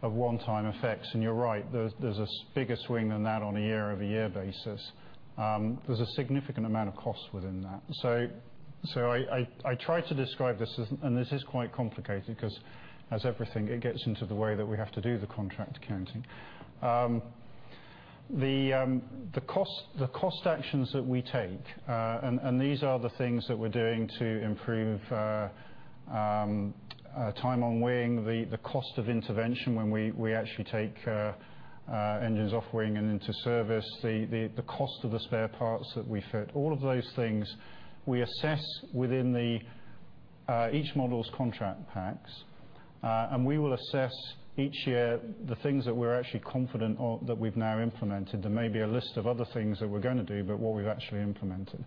one-time effects, and you're right, there's a bigger swing than that on a year-over-year basis. There's a significant amount of cost within that. I try to describe this as, and this is quite complicated because as everything, it gets into the way that we have to do the contract accounting. The cost actions that we take, and these are the things that we're doing to improve time on wing, the cost of intervention when we actually take engines off wing and into service, the cost of the spare parts that we fit. All of those things we assess within each model's contract packs. We will assess each year the things that we're actually confident that we've now implemented. There may be a list of other things that we're going to do, but what we've actually implemented.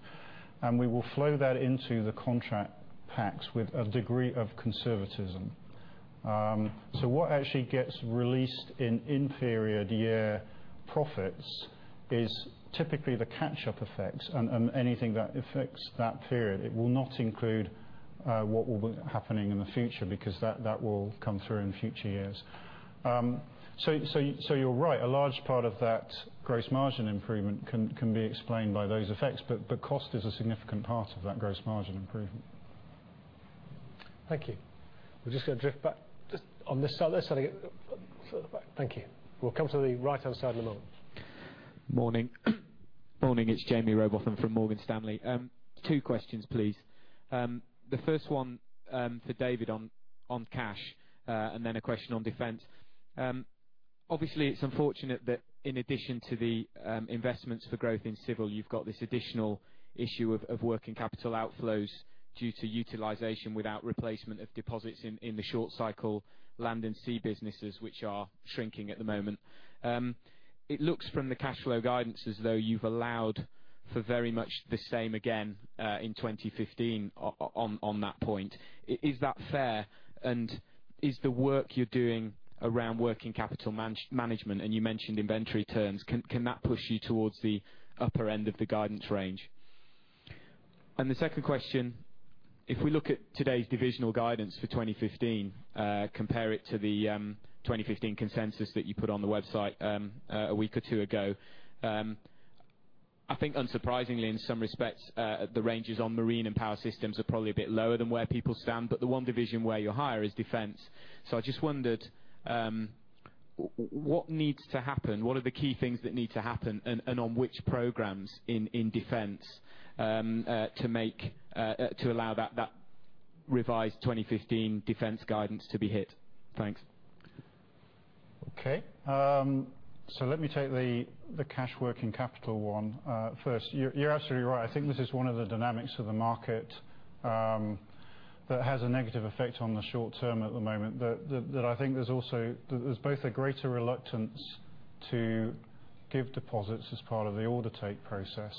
We will flow that into the contract packs with a degree of conservatism. What actually gets released in interior year profits is typically the catch-up effects and anything that affects that period. It will not include what will be happening in the future because that will come through in future years. You're right. A large part of that gross margin improvement can be explained by those effects, cost is a significant part of that gross margin improvement. Thank you. We're just going to drift back just on this side. Thank you. We'll come to the right-hand side in a moment. Morning. It's Jaime Rowbotham from Morgan Stanley. Two questions, please. The first one for David on cash, then a question on Defense. Obviously, it's unfortunate that in addition to the investments for growth in Civil, you've got this additional issue of working capital outflows due to utilization without replacement of deposits in the short cycle Land & Sea businesses, which are shrinking at the moment. It looks from the cash flow guidance as though you've allowed for very much the same again, in 2015 on that point. Is that fair? Is the work you're doing around working capital management, and you mentioned inventory terms, can that push you towards the upper end of the guidance range? The second question, if we look at today's divisional guidance for 2015, compare it to the 2015 consensus that you put on the website a week or two ago. I think unsurprisingly, in some respects, the ranges on Marine and Power Systems are probably a bit lower than where people stand, the one division where you're higher is Defense. I just wondered, what needs to happen? What are the key things that need to happen and on which programs in Defense to allow that revised 2015 Defense guidance to be hit? Thanks. Let me take the cash working capital one first. You're absolutely right. I think this is one of the dynamics of the market that has a negative effect on the short term at the moment. I think there's both a greater reluctance to give deposits as part of the order take process.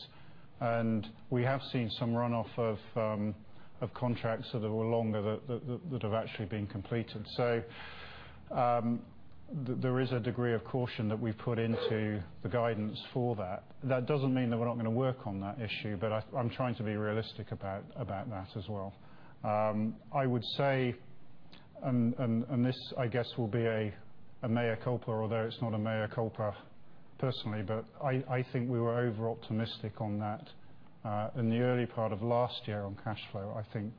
We have seen some run-off of contracts that were longer that have actually been completed. There is a degree of caution that we've put into the guidance for that. That doesn't mean that we're not going to work on that issue, but I'm trying to be realistic about that as well. I would say, and this, I guess, will be a mea culpa, although it's not a mea culpa personally, but I think we were over-optimistic on that in the early part of last year on cash flow. I think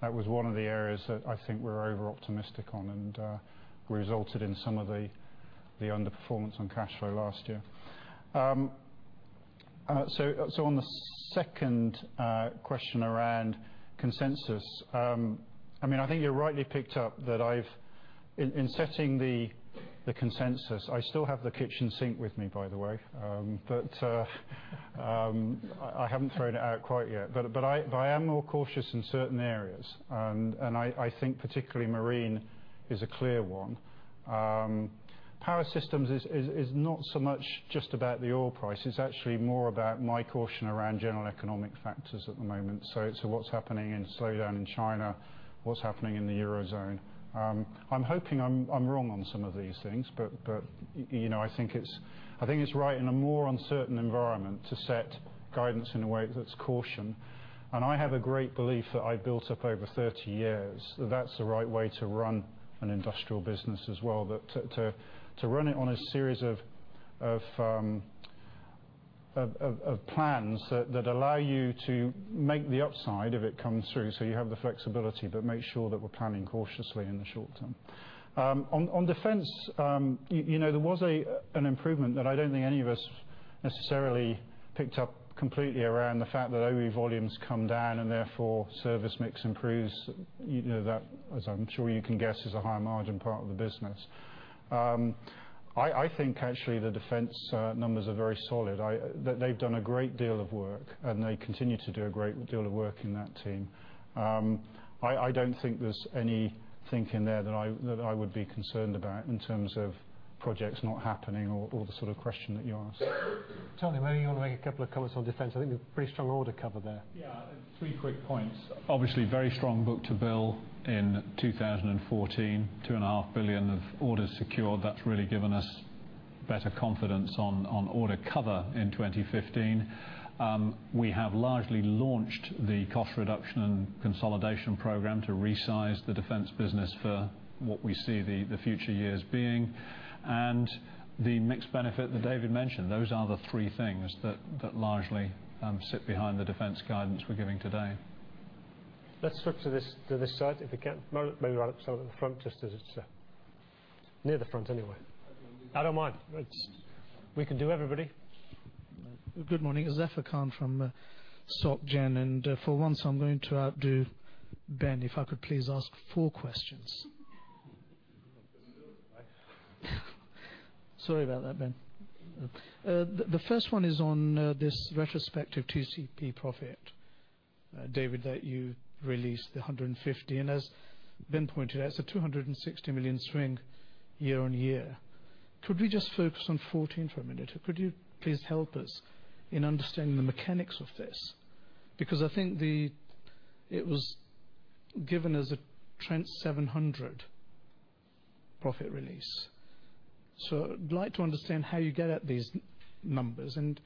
that was one of the areas that I think we were over-optimistic on, and resulted in some of the underperformance on cash flow last year. On the second question around consensus, I think you rightly picked up that I've, in setting the consensus, I still have the kitchen sink with me, by the way. I haven't thrown it out quite yet. I am more cautious in certain areas, and I think particularly Marine is a clear one. Power Systems is not so much just about the oil price, it's actually more about my caution around general economic factors at the moment. What's happening in slowdown in China, what's happening in the Eurozone. I'm hoping I'm wrong on some of these things, but I think it's right in a more uncertain environment to set guidance in a way that's caution. I have a great belief that I built up over 30 years, that that's the right way to run an industrial business as well. To run it on a series of plans that allow you to make the upside if it comes through, so you have the flexibility, but make sure that we're planning cautiously in the short term. On Defense, there was an improvement that I don't think any of us necessarily picked up completely around the fact that OE volumes come down, and therefore, service mix improves. That, as I'm sure you can guess, is a higher margin part of the business. I think, actually, the Defense numbers are very solid. They've done a great deal of work, and they continue to do a great deal of work in that team. I don't think there's any thinking there that I would be concerned about in terms of projects not happening or the sort of question that you asked. Tony, maybe you want to make a couple of comments on Defense. I think there's pretty strong order cover there. Yeah. Three quick points. Obviously, very strong book to bill in 2014, 2.5 billion of orders secured. That's really given us better confidence on order cover in 2015. We have largely launched the cost reduction and consolidation program to resize the Defense business for what we see the future years being. The mixed benefit that David mentioned, those are the three things that largely sit behind the Defense guidance we're giving today. Let's flip to this side, if we can. Maybe right up at the front, just as it's near the front, anyway. I don't mind. We can do everybody. Good morning. Zafar Khan from Soc Gen, and for once, I'm going to outdo Ben. If I could please ask four questions. Sorry about that, Ben. The first one is on this retrospective TCP profit, David, that you released, the 150. As Ben pointed out, it's a 260 million swing year-on-year. Could we just focus on 2014 for a minute? Could you please help us in understanding the mechanics of this? Because I think it was given as a Trent 700 profit release. I'd like to understand how you get at these numbers, and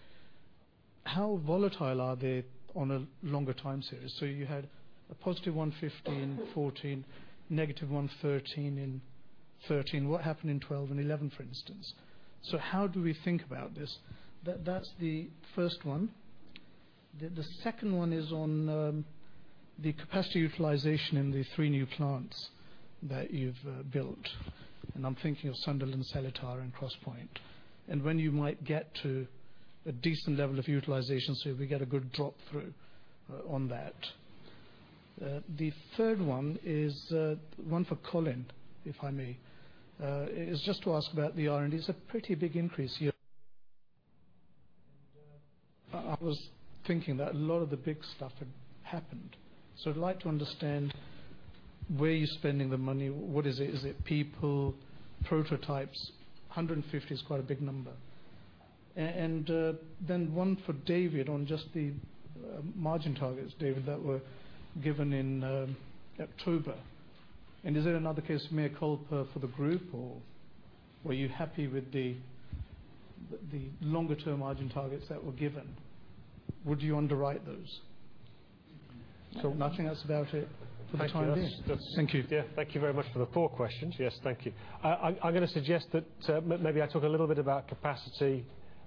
how volatile are they on a longer time series. You had a positive 115, 2014, negative 113 in 2013. What happened in 2012 and 2011, for instance? How do we think about this? That's the first one. The second one is on the capacity utilization in the three new plants that you've built, and I'm thinking of Sunderland, Seletar, and Crosspointe. When you might get to a decent level of utilization, so we get a good drop-through on that. The third one is one for Colin, if I may. It's just to ask about the R&D. It's a pretty big increase here. I was thinking that a lot of the big stuff had happened. I'd like to understand where you're spending the money. What is it? Is it people, prototypes? 150 is quite a big number. One for David on just the margin targets, David, that were given in October. Is it another case of mea culpa for the group, or were you happy with the longer-term margin targets that were given? Would you underwrite those? I think that's about it for the time being. Thank you. Thank you. Thank you very much for the four questions. Yes, thank you. I'm going to suggest that maybe I talk a little bit about capacity,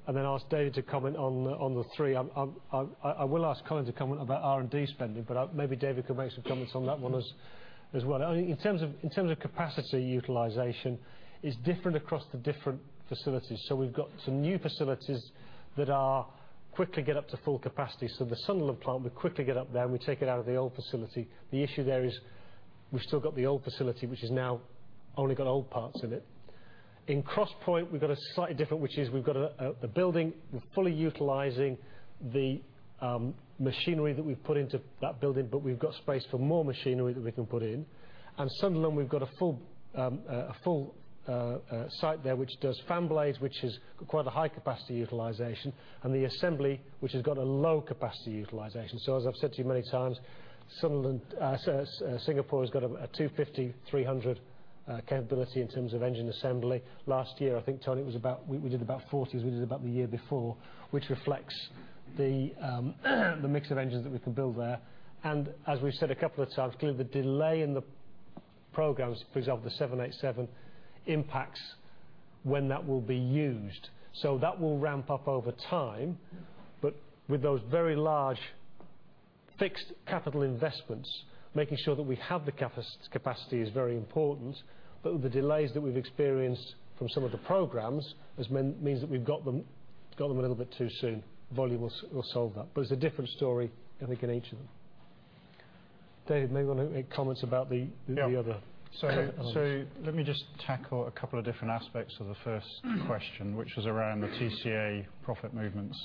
and then ask David to comment on the three. I will ask Colin to comment about R&D spending, but maybe David could make some comments on that one as well. In terms of capacity utilization, it's different across the different facilities. We've got some new facilities that quickly get up to full capacity. The Sunderland plant, we quickly get up there and we take it out of the old facility. The issue there is we've still got the old facility, which has now only got old parts in it. In Crosspointe, we've got a slightly different, which is we've got a building. We're fully utilizing the machinery that we've put into that building, but we've got space for more machinery that we can put in. Sunderland, we've got a full-site there which does fan blades, which is quite a high capacity utilization, and the assembly, which has got a low capacity utilization. As I've said to you many times, Singapore has got a 250, 300 capability in terms of engine assembly. Last year, I think, Tony, we did about 40, as we did about the year before, which reflects the mix of engines that we can build there. As we've said a couple of times, clearly, the delay in the programs, for example, the 787, impacts when that will be used. That will ramp up over time, but with those very large fixed capital investments, making sure that we have the capacity is very important. With the delays that we've experienced from some of the programs, this means that we've got them a little bit too soon. Volume will solve that. It's a different story, I think, in each of them. Dave, maybe want to make comments about the other elements. Let me just tackle a couple of different aspects of the first question, which was around the TCA profit movements.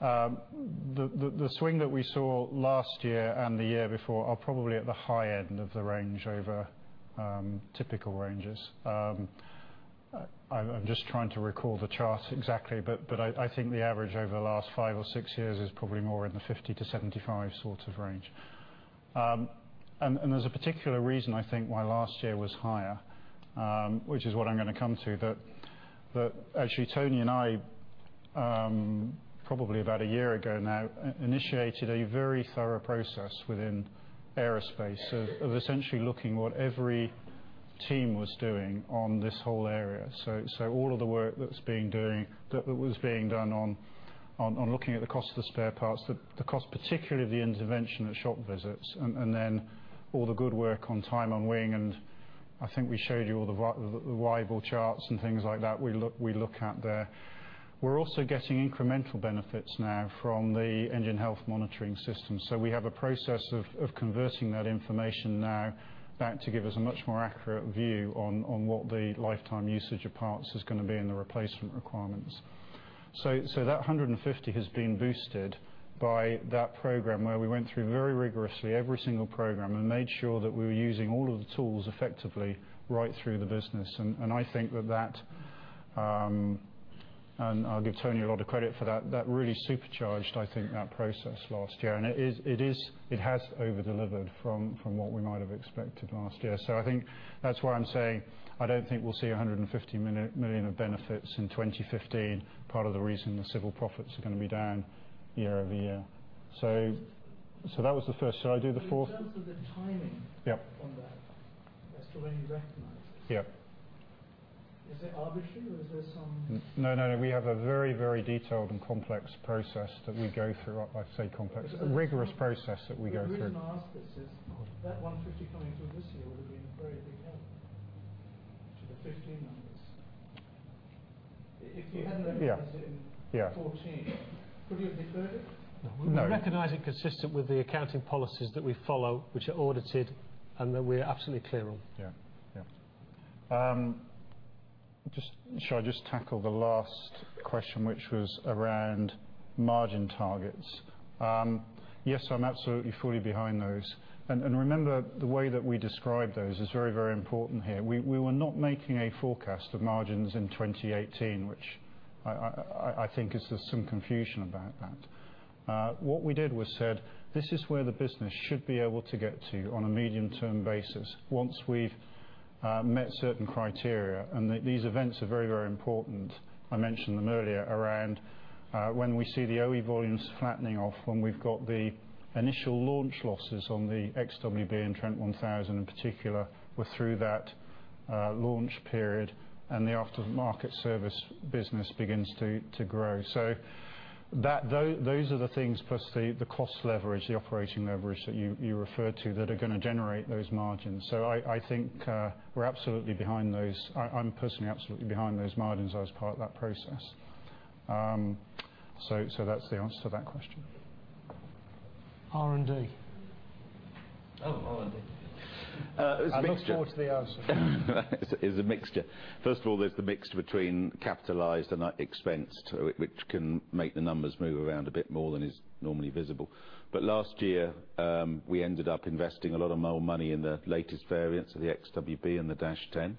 The swing that we saw last year and the year before are probably at the high end of the range over typical ranges. I'm just trying to recall the charts exactly, but I think the average over the last five or six years is probably more in the 50-75 sort of range. There's a particular reason, I think, why last year was higher, which is what I'm going to come to. That actually, Tony and I, probably about a year ago now, initiated a very thorough process within aerospace of essentially looking what every team was doing on this whole area. All of the work that was being done on looking at the cost of the spare parts, the cost, particularly the intervention at shop visits, and then all the good work on time on wing. I think we showed you all the viable charts and things like that we look at there. We're also getting incremental benefits now from the engine health monitoring system. We have a process of converting that information now back to give us a much more accurate view on what the lifetime usage of parts is going to be and the replacement requirements. That 150 has been boosted by that program, where we went through very rigorously every single program and made sure that we were using all of the tools effectively right through the business. I think that, and I'll give Tony a lot of credit for that, really supercharged that process last year. It has over-delivered from what we might have expected last year. I think that's why I'm saying I don't think we'll see 150 million of benefits in 2015. Part of the reason the civil profits are going to be down year-over-year. That was the first. Should I do the fourth? In terms of the timing Yep on that, as to when you recognized it. Yep. Is it arbitrary, or is there some- No, we have a very detailed and complex process that we go through. I say complex, a rigorous process that we go through. The reason I ask this is that 150 coming through this year would have been a very big help to the 2015 numbers. If you hadn't recognized it in- Yeah 2014, could you have deferred it? No. We recognize it consistent with the accounting policies that we follow, which are audited and that we are absolutely clear on. Yeah. Shall I just tackle the last question, which was around margin targets? Yes, I'm absolutely, fully behind those. Remember, the way that we describe those is very important here. We were not making a forecast of margins in 2018, which I think is there's some confusion about that. What we did was said, "This is where the business should be able to get to on a medium-term basis once we've met certain criteria." These events are very important. I mentioned them earlier around when we see the OE volumes flattening off, when we've got the initial launch losses on the Trent XWB and Trent 1000 in particular, we're through that launch period, and the after-market service business begins to grow. Those are the things, plus the cost leverage, the operating leverage that you referred to, that are going to generate those margins. I think we're absolutely behind those. I'm personally absolutely behind those margins. I was part of that process. That's the answer to that question. R&D. Oh, R&D. I look forward to the answer. It's a mixture. First of all, there's the mix between capitalized and expensed, which can make the numbers move around a bit more than is normally visible. Last year, we ended up investing a lot more money in the latest variants of the XWB and the -10.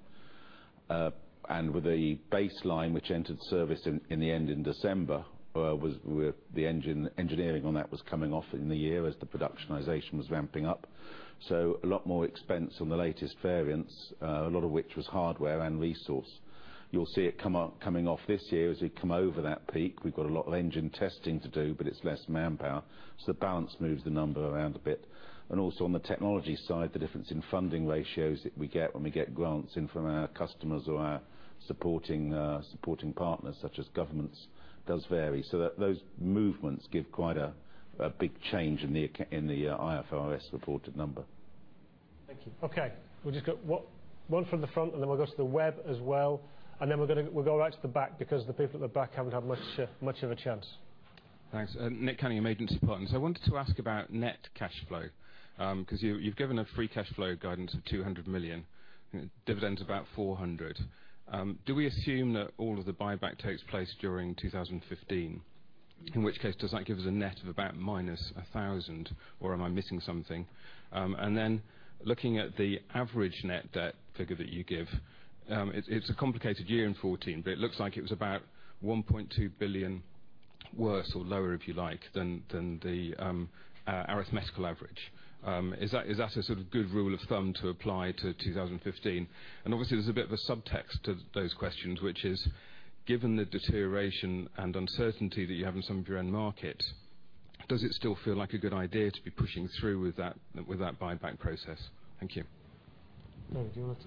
With the baseline, which entered service in the end in December, the engineering on that was coming off in the year as the productionization was ramping up. A lot more expense on the latest variants, a lot of which was hardware and resource. You'll see it coming off this year as we come over that peak. We've got a lot of engine testing to do, but it's less manpower, the balance moves the number around a bit. Also on the technology side, the difference in funding ratios that we get when we get grants in from our customers or our supporting partners, such as governments, does vary. Those movements give quite a big change in the IFRS-reported number. Thank you. Okay. We'll just go one from the front. Then we'll go to the web as well. Then we'll go right to the back because the people at the back haven't had much of a chance. Thanks. Nick Cunningham, Agency Partners. I wanted to ask about net cash flow. You've given a free cash flow guidance of 200 million, dividend of about 400 million. Do we assume that all of the buyback takes place during 2015? In which case, does that give us a net of about minus 1 billion, or am I missing something? Then looking at the average net debt figure that you give, it's a complicated year in 2014, but it looks like it was about 1.2 billion worse or lower, if you like, than the arithmetical average. Is that a sort of good rule of thumb to apply to 2015? Obviously, there's a bit of a subtext to those questions, which is, given the deterioration and uncertainty that you have in some of your end market, does it still feel like a good idea to be pushing through with that buyback process? Thank you. Tony, do you want to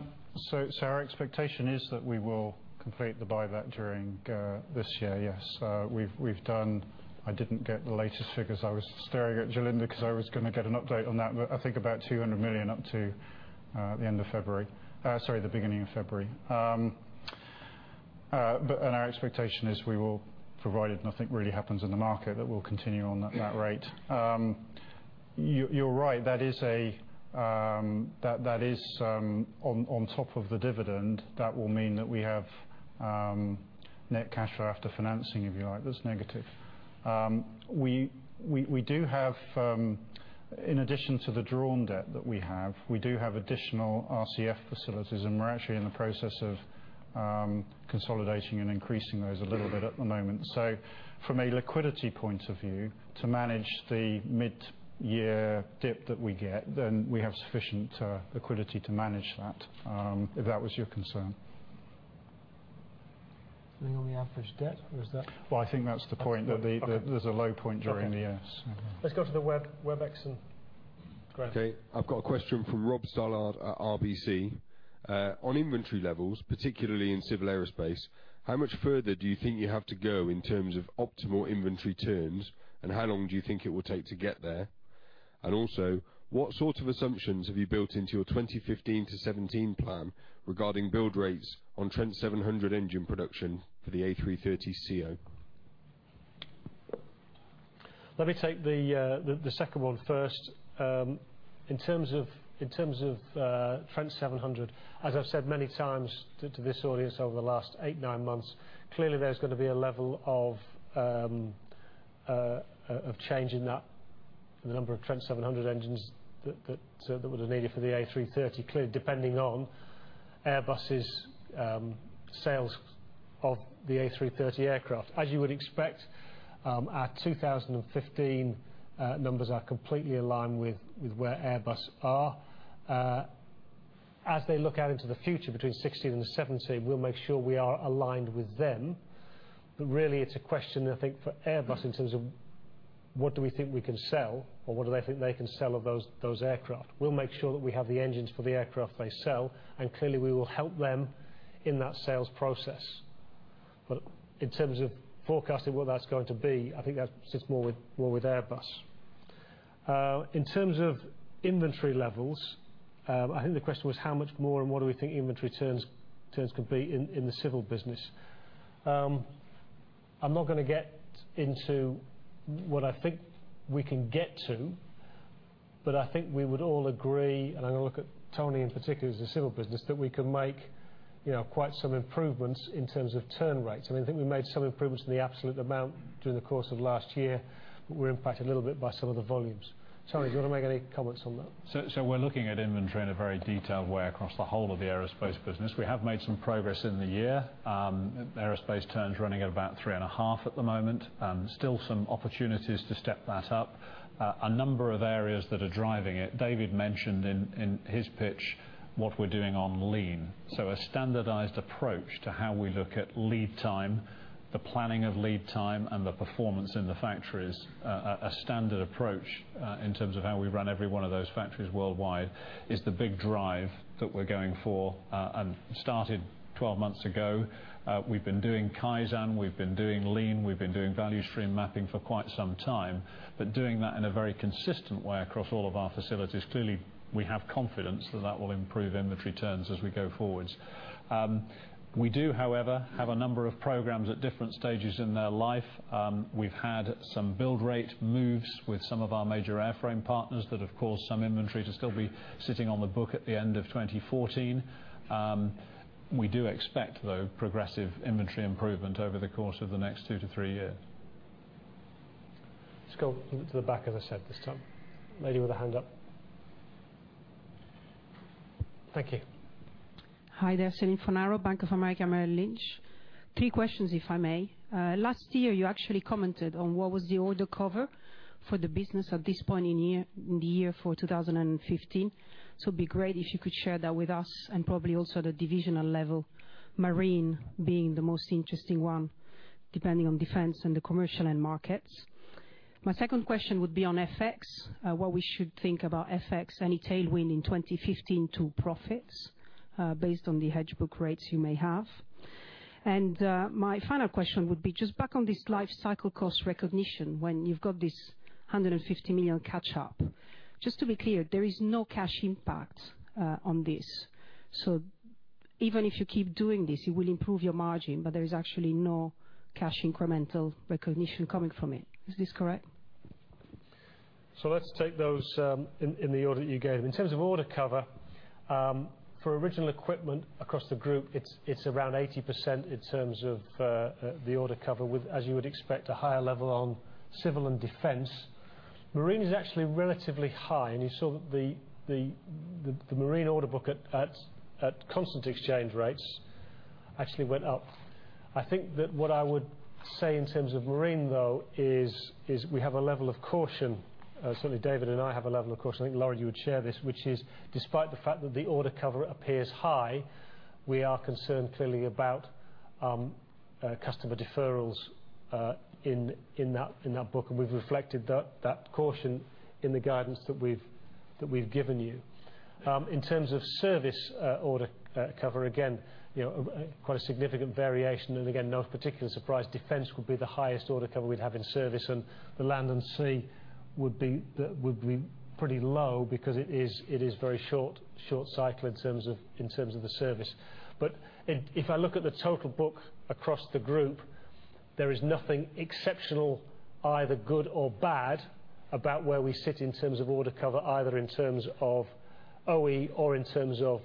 take some? Our expectation is that we will complete the buyback during this year, yes. I didn't get the latest figures. I was staring at Jolinda because I was going to get an update on that, but I think about 200 million up to the end of February. Sorry, the beginning of February. Our expectation is we will, provided nothing really happens in the market, that we'll continue on that rate. You're right, that is on top of the dividend. That will mean that we have net cash after financing, if you like, that's negative. In addition to the drawn debt that we have, we do have additional RCF facilities, and we're actually in the process of consolidating and increasing those a little bit at the moment. From a liquidity point of view, to manage the mid-year dip that we get, we have sufficient liquidity to manage that, if that was your concern. Anything on the average debt or is that? Well, I think that's the point, that there's a low point during the year. Okay. Let's go to the Webex and Graham. Okay. I've got a question from Rob Stallard at RBC. On inventory levels, particularly in Civil Aerospace, how much further do you think you have to go in terms of optimal inventory turns, and how long do you think it will take to get there? What sort of assumptions have you built into your 2015 to 2017 plan regarding build rates on Trent 700 engine production for the A330ceo? Let me take the second one first. In terms of Trent 700, as I've said many times to this audience over the last eight, nine months, clearly there's going to be a level of change in that, in the number of Trent 700 engines that would have needed for the A330, clearly depending on Airbus' sales of the A330 aircraft. As you would expect, our 2015 numbers are completely aligned with where Airbus are. As they look out into the future between 2016 and the 2017, we'll make sure we are aligned with them. Really it's a question, I think, for Airbus in terms of what do we think we can sell or what do they think they can sell of those aircraft. We'll make sure that we have the engines for the aircraft they sell, and clearly, we will help them in that sales process. In terms of forecasting what that's going to be, I think that sits more with Airbus. In terms of inventory levels, I think the question was how much more and what do we think inventory turns could be in the Civil business. I'm not going to get into what I think we can get to, but I think we would all agree, and I'm going to look at Tony in particular as the Civil business, that we can make quite some improvements in terms of turn rates. I think we made some improvements in the absolute amount during the course of last year, but we're impacted a little bit by some of the volumes. Tony, do you want to make any comments on that? We're looking at inventory in a very detailed way across the whole of the Aerospace business. We have made some progress in the year. Aerospace turns running at about 3.5 at the moment. Still some opportunities to step that up. A number of areas that are driving it. David mentioned in his pitch what we're doing on Lean. A standardized approach to how we look at lead time, the planning of lead time, and the performance in the factories. A standard approach in terms of how we run every one of those factories worldwide is the big drive that we're going for, and started 12 months ago. We've been doing Kaizen, we've been doing Lean, we've been doing value stream mapping for quite some time, but doing that in a very consistent way across all of our facilities. We have confidence that that will improve inventory turns as we go forwards. We do, however, have a number of programs at different stages in their life. We've had some build rate moves with some of our major airframe partners that have caused some inventory to still be sitting on the book at the end of 2014. We do expect, though, progressive inventory improvement over the course of the next two to three years. Let's go to the back, as I said this time. Lady with a hand up. Thank you. Hi there. Celine Fornaro, Bank of America Merrill Lynch. Three questions, if I may. Last year, you actually commented on what was the order cover for the business at this point in the year for 2015. It'd be great if you could share that with us and probably also the divisional level, marine being the most interesting one, depending on defense and the commercial end markets. My second question would be on FX, what we should think about FX, any tailwind in 2015 to profits based on the hedge book rates you may have. My final question would be just back on this life cycle cost recognition when you've got this 150 million catch-up. Just to be clear, there is no cash impact on this. Even if you keep doing this, you will improve your margin, but there is actually no cash incremental recognition coming from it. Is this correct? Let's take those in the order that you gave them. In terms of order cover, for original equipment across the group, it's around 80% in terms of the order cover with, as you would expect, a higher level on Civil Aerospace and Defense. Marine is actually relatively high, and you saw that the marine order book at constant exchange rates actually went up. I think that what I would say in terms of marine, though, is we have a level of caution. Certainly, David and I have a level of caution. I think, Lawrie, you would share this, which is despite the fact that the order cover appears high, we are concerned clearly about customer deferrals in that book, and we've reflected that caution in the guidance that we've given you. In terms of service order cover, again, quite a significant variation, and again, no particular surprise. Defense would be the highest order cover we'd have in service and the Land & Sea would be pretty low because it is very short cycle in terms of the service. If I look at the total book across the group, there is nothing exceptional, either good or bad, about where we sit in terms of order cover, either in terms of OE or in terms of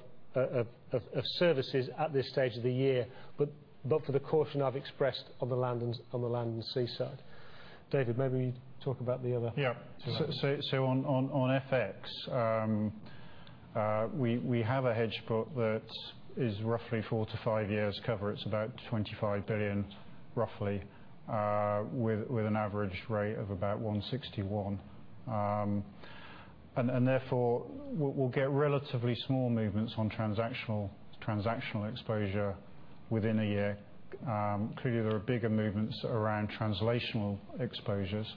services at this stage of the year. For the caution I've expressed on the Land & Sea side. David, maybe talk about the other two. On FX, we have a hedge book that is roughly 4 to 5 years cover. It's about 25 billion, roughly, with an average rate of about 161. Therefore, we'll get relatively small movements on transactional exposure within a year. Clearly, there are bigger movements around translational exposures,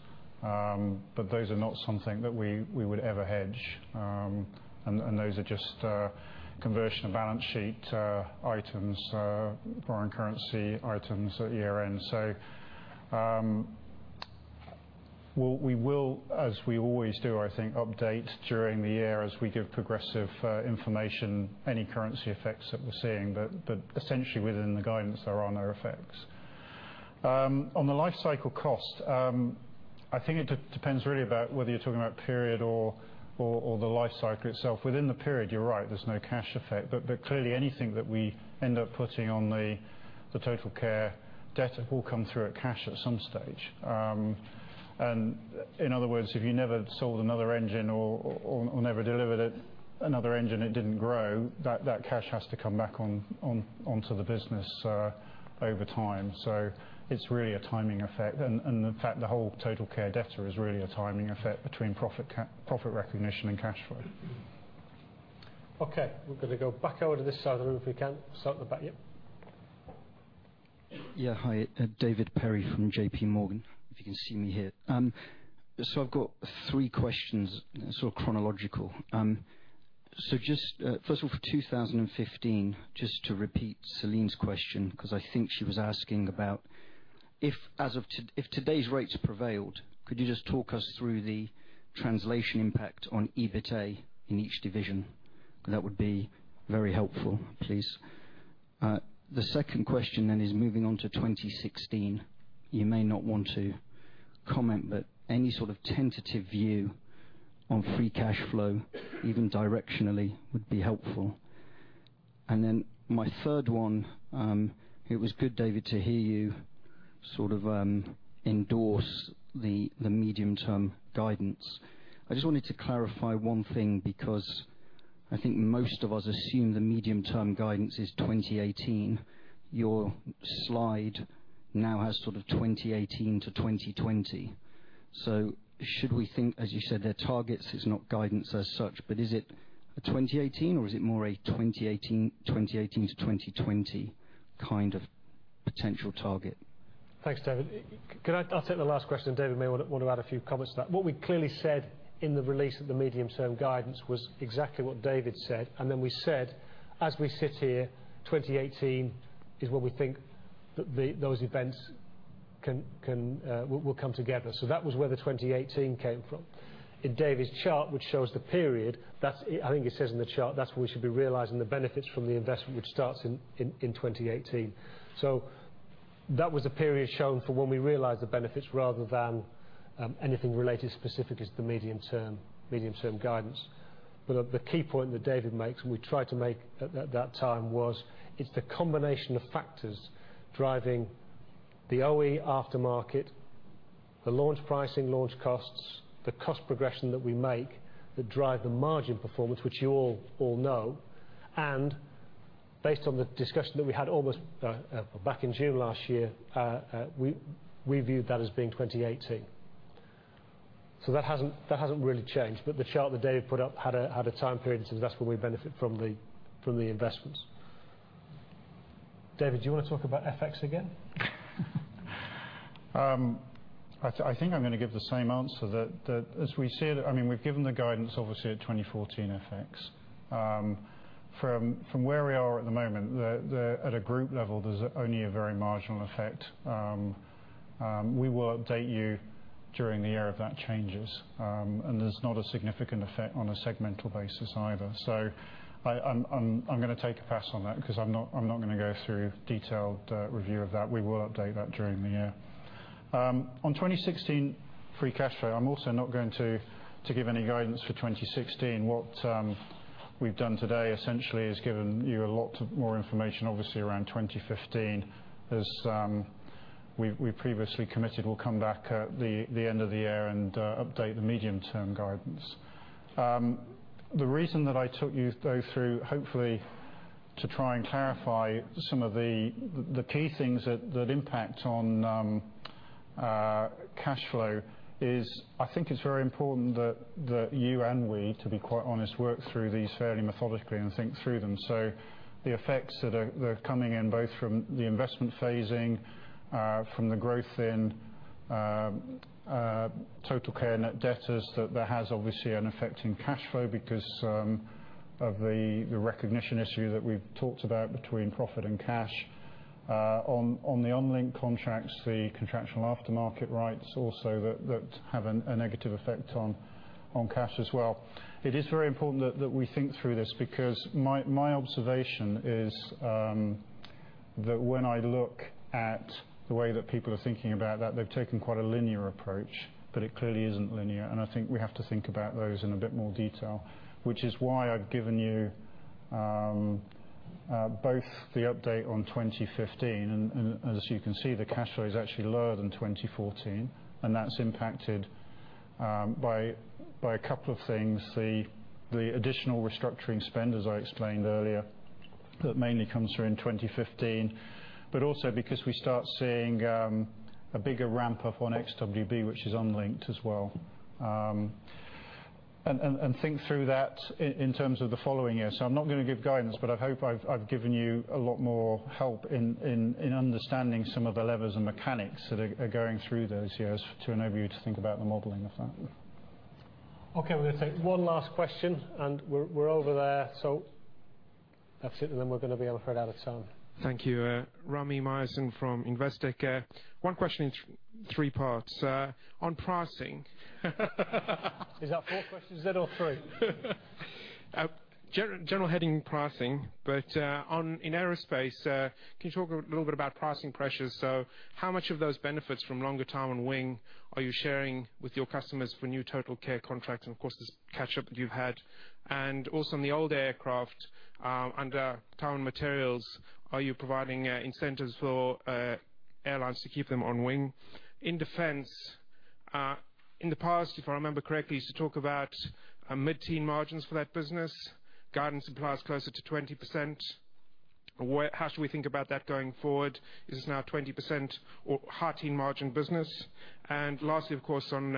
but those are not something that we would ever hedge. Those are just conversion of balance sheet items, foreign currency items at year-end. We will, as we always do, I think, update during the year as we give progressive information, any currency effects that we're seeing. Essentially within the guidance, there are no effects. On the life cycle cost, I think it depends really about whether you're talking about period or the life cycle itself. Within the period, you're right, there's no cash effect. Clearly anything that we end up putting on the TotalCare debtor will come through at cash at some stage. In other words, if you never sold another engine or never delivered another engine, it didn't grow, that cash has to come back onto the business over time. It's really a timing effect. In fact, the whole TotalCare debtor is really a timing effect between profit recognition and cash flow. Okay, we're going to go back over to this side of the room if we can. Start at the back. Yep. Yeah. Hi. David Perry from JPMorgan, if you can see me here. I've got three questions, sort of chronological. Just, first of all, for 2015, just to repeat Celine's question, because I think she was asking about if today's rates prevailed, could you just talk us through the translation impact on EBITA in each division? That would be very helpful, please. The second question is moving on to 2016. You may not want to comment, but any sort of tentative view on free cash flow, even directionally, would be helpful. My third one, it was good, David, to hear you sort of endorse the medium-term guidance. I just wanted to clarify one thing because I think most of us assume the medium-term guidance is 2018. Your slide now has sort of 2018 to 2020. Should we think, as you said, they're targets, it's not guidance as such, but is it a 2018 or is it more a 2018 to 2020 kind of potential target? Thanks, David. I'll take the last question, and David may want to add a few comments to that. What we clearly said in the release of the medium-term guidance was exactly what David said, and then we said, as we sit here, 2018 is what we think those events will come together. That was where the 2018 came from. In David's chart, which shows the period, I think it says in the chart, that's when we should be realizing the benefits from the investment, which starts in 2018. That was the period shown for when we realized the benefits rather than anything related specific as to the medium-term guidance. The key point that David makes, and we tried to make at that time, was it's the combination of factors driving the OE aftermarket, the launch pricing, launch costs, the cost progression that we make that drive the margin performance, which you all know. Based on the discussion that we had back in June last year, we viewed that as being 2018. That hasn't really changed. The chart that David put up had a time period that says that's when we benefit from the investments. David, do you want to talk about FX again? I think I'm going to give the same answer that as we said, we've given the guidance, obviously, at 2014 FX. From where we are at the moment, at a group level, there's only a very marginal effect. We will update you during the year if that changes. There's not a significant effect on a segmental basis either. I'm going to take a pass on that because I'm not going to go through detailed review of that. We will update that during the year. On 2016 free cash flow, I'm also not going to give any guidance for 2016. What we've done today, essentially, is given you a lot more information, obviously, around 2015. As we previously committed, we'll come back at the end of the year and update the medium-term guidance. The reason that I took you through, hopefully to try and clarify some of the key things that impact on cash flow is, I think it's very important that you and we, to be quite honest, work through these fairly methodically and think through them. The effects that are coming in, both from the investment phasing, from the growth in TotalCare net debtors, that has obviously an effect in cash flow because of the recognition issue that we've talked about between profit and cash. On the unlinked contracts, the contractual aftermarket rights also that have a negative effect on cash as well. It is very important that we think through this because my observation is that when I look at the way that people are thinking about that, they've taken quite a linear approach, but it clearly isn't linear, and I think we have to think about those in a bit more detail, which is why I've given you both the update on 2015. As you can see, the cash flow is actually lower than 2014, and that's impacted by a couple of things. The additional restructuring spend, as I explained earlier, that mainly comes through in 2015, but also because we start seeing a bigger ramp-up on Trent XWB, which is unlinked as well. Think through that in terms of the following year. I'm not going to give guidance, but I hope I've given you a lot more help in understanding some of the levers and mechanics that are going through those years to enable you to think about the modeling of that. Okay. We're going to take one last question, and we're over there. That's it, and then we're going to be out of time. Thank you. Rami Myerson from Investec. One question in three parts. On pricing Is that four questions there or three? General heading, pricing. In aerospace, can you talk a little bit about pricing pressures? How much of those benefits from longer time on wing are you sharing with your customers for new TotalCare contracts, and of course, this catch-up that you've had? Also, on the old aircraft, under time and materials, are you providing incentives for airlines to keep them on wing? In defense, in the past, if I remember correctly, you used to talk about mid-teen margins for that business. Guidance implies closer to 20%. How should we think about that going forward? Is this now a 20% or high-teen margin business? Lastly, of course, on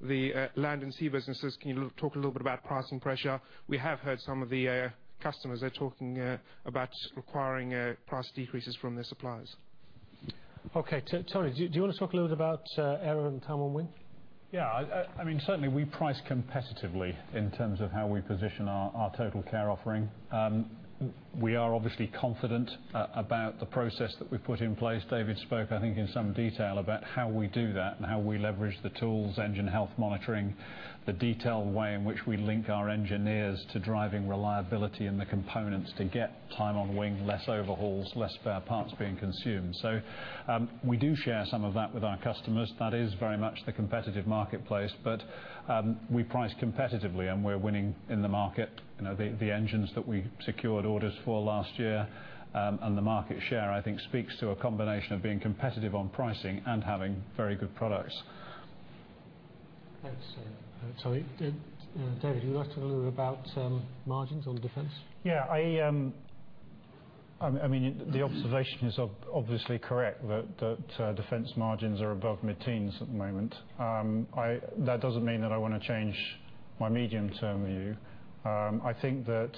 the Land & Sea businesses, can you talk a little bit about pricing pressure? We have heard some of the customers are talking about requiring price decreases from their suppliers. Okay. Tony, do you want to talk a little bit about aero and time on wing? Yeah. Certainly, we price competitively in terms of how we position our TotalCare offering. We are obviously confident about the process that we've put in place. David spoke, I think, in some detail about how we do that and how we leverage the tools, engine health monitoring, the detailed way in which we link our engineers to driving reliability in the components to get time on wing, less overhauls, less spare parts being consumed. We do share some of that with our customers. That is very much the competitive marketplace. We price competitively, and we're winning in the market. The engines that we secured orders for last year and the market share, I think, speaks to a combination of being competitive on pricing and having very good products. Thanks, Tony. David, you want to talk a little bit about margins on defense? Yeah. The observation is obviously correct that defense margins are above mid-teens at the moment. That doesn't mean that I want to change my medium-term view. I think that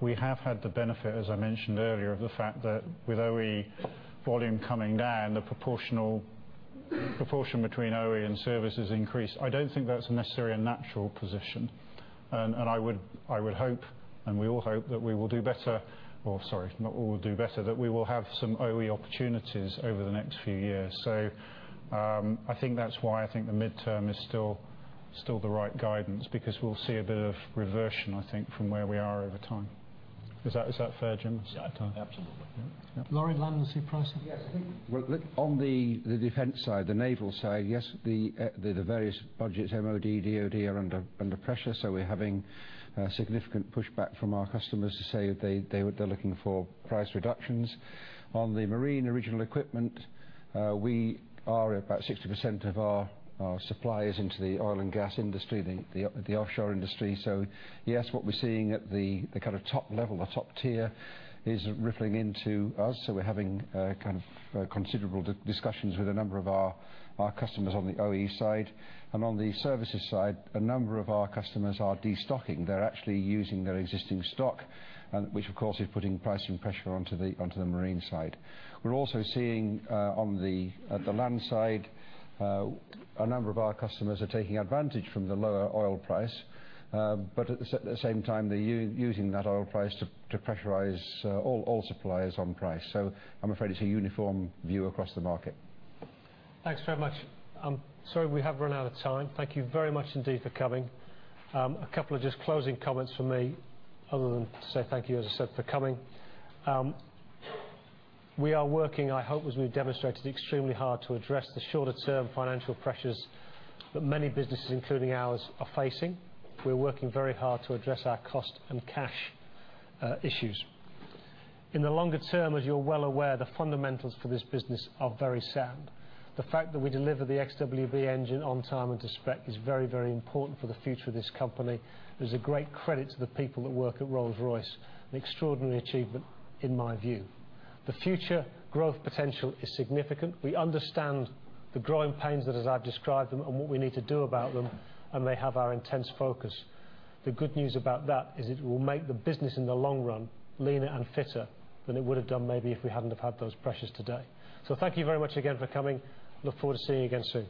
we have had the benefit, as I mentioned earlier, of the fact that with OE volume coming down, the proportion between OE and services increased. I don't think that's necessarily a natural position. I would hope, and we all hope that we will have some OE opportunities over the next few years. I think that's why I think the midterm is still the right guidance because we'll see a bit of reversion, I think, from where we are over time. Is that fair, John? Yeah, absolutely. Lawrie, Land & Sea pricing? Yes. I think on the defense side, the naval side, yes, the various budgets, MOD, DOD, are under pressure, so we're having significant pushback from our customers to say they're looking for price reductions. On the marine original equipment, we are at about 60% of our suppliers into the oil and gas industry, the offshore industry. Yes, what we're seeing at the kind of top level, the top tier, is rippling into us, so we're having considerable discussions with a number of our customers on the OE side. On the services side, a number of our customers are de-stocking. They're actually using their existing stock, which of course is putting pricing pressure onto the marine side. We're also seeing on the land side, a number of our customers are taking advantage from the lower oil price. At the same time, they're using that oil price to pressurize all suppliers on price. I'm afraid it's a uniform view across the market. Thanks very much. Sorry, we have run out of time. Thank you very much indeed for coming. A couple of just closing comments from me, other than to say thank you, as I said, for coming. We are working, I hope as we've demonstrated, extremely hard to address the shorter-term financial pressures that many businesses, including ours, are facing. We're working very hard to address our cost and cash issues. In the longer term, as you're well aware, the fundamentals for this business are very sound. The fact that we deliver the XWB engine on time and to spec is very important for the future of this company. It is a great credit to the people that work at Rolls-Royce, an extraordinary achievement in my view. The future growth potential is significant. We understand the growing pains as I've described them and what we need to do about them, and they have our intense focus. The good news about that is it will make the business in the long run leaner and fitter than it would have done maybe if we hadn't have had those pressures today. Thank you very much again for coming. Look forward to seeing you again soon.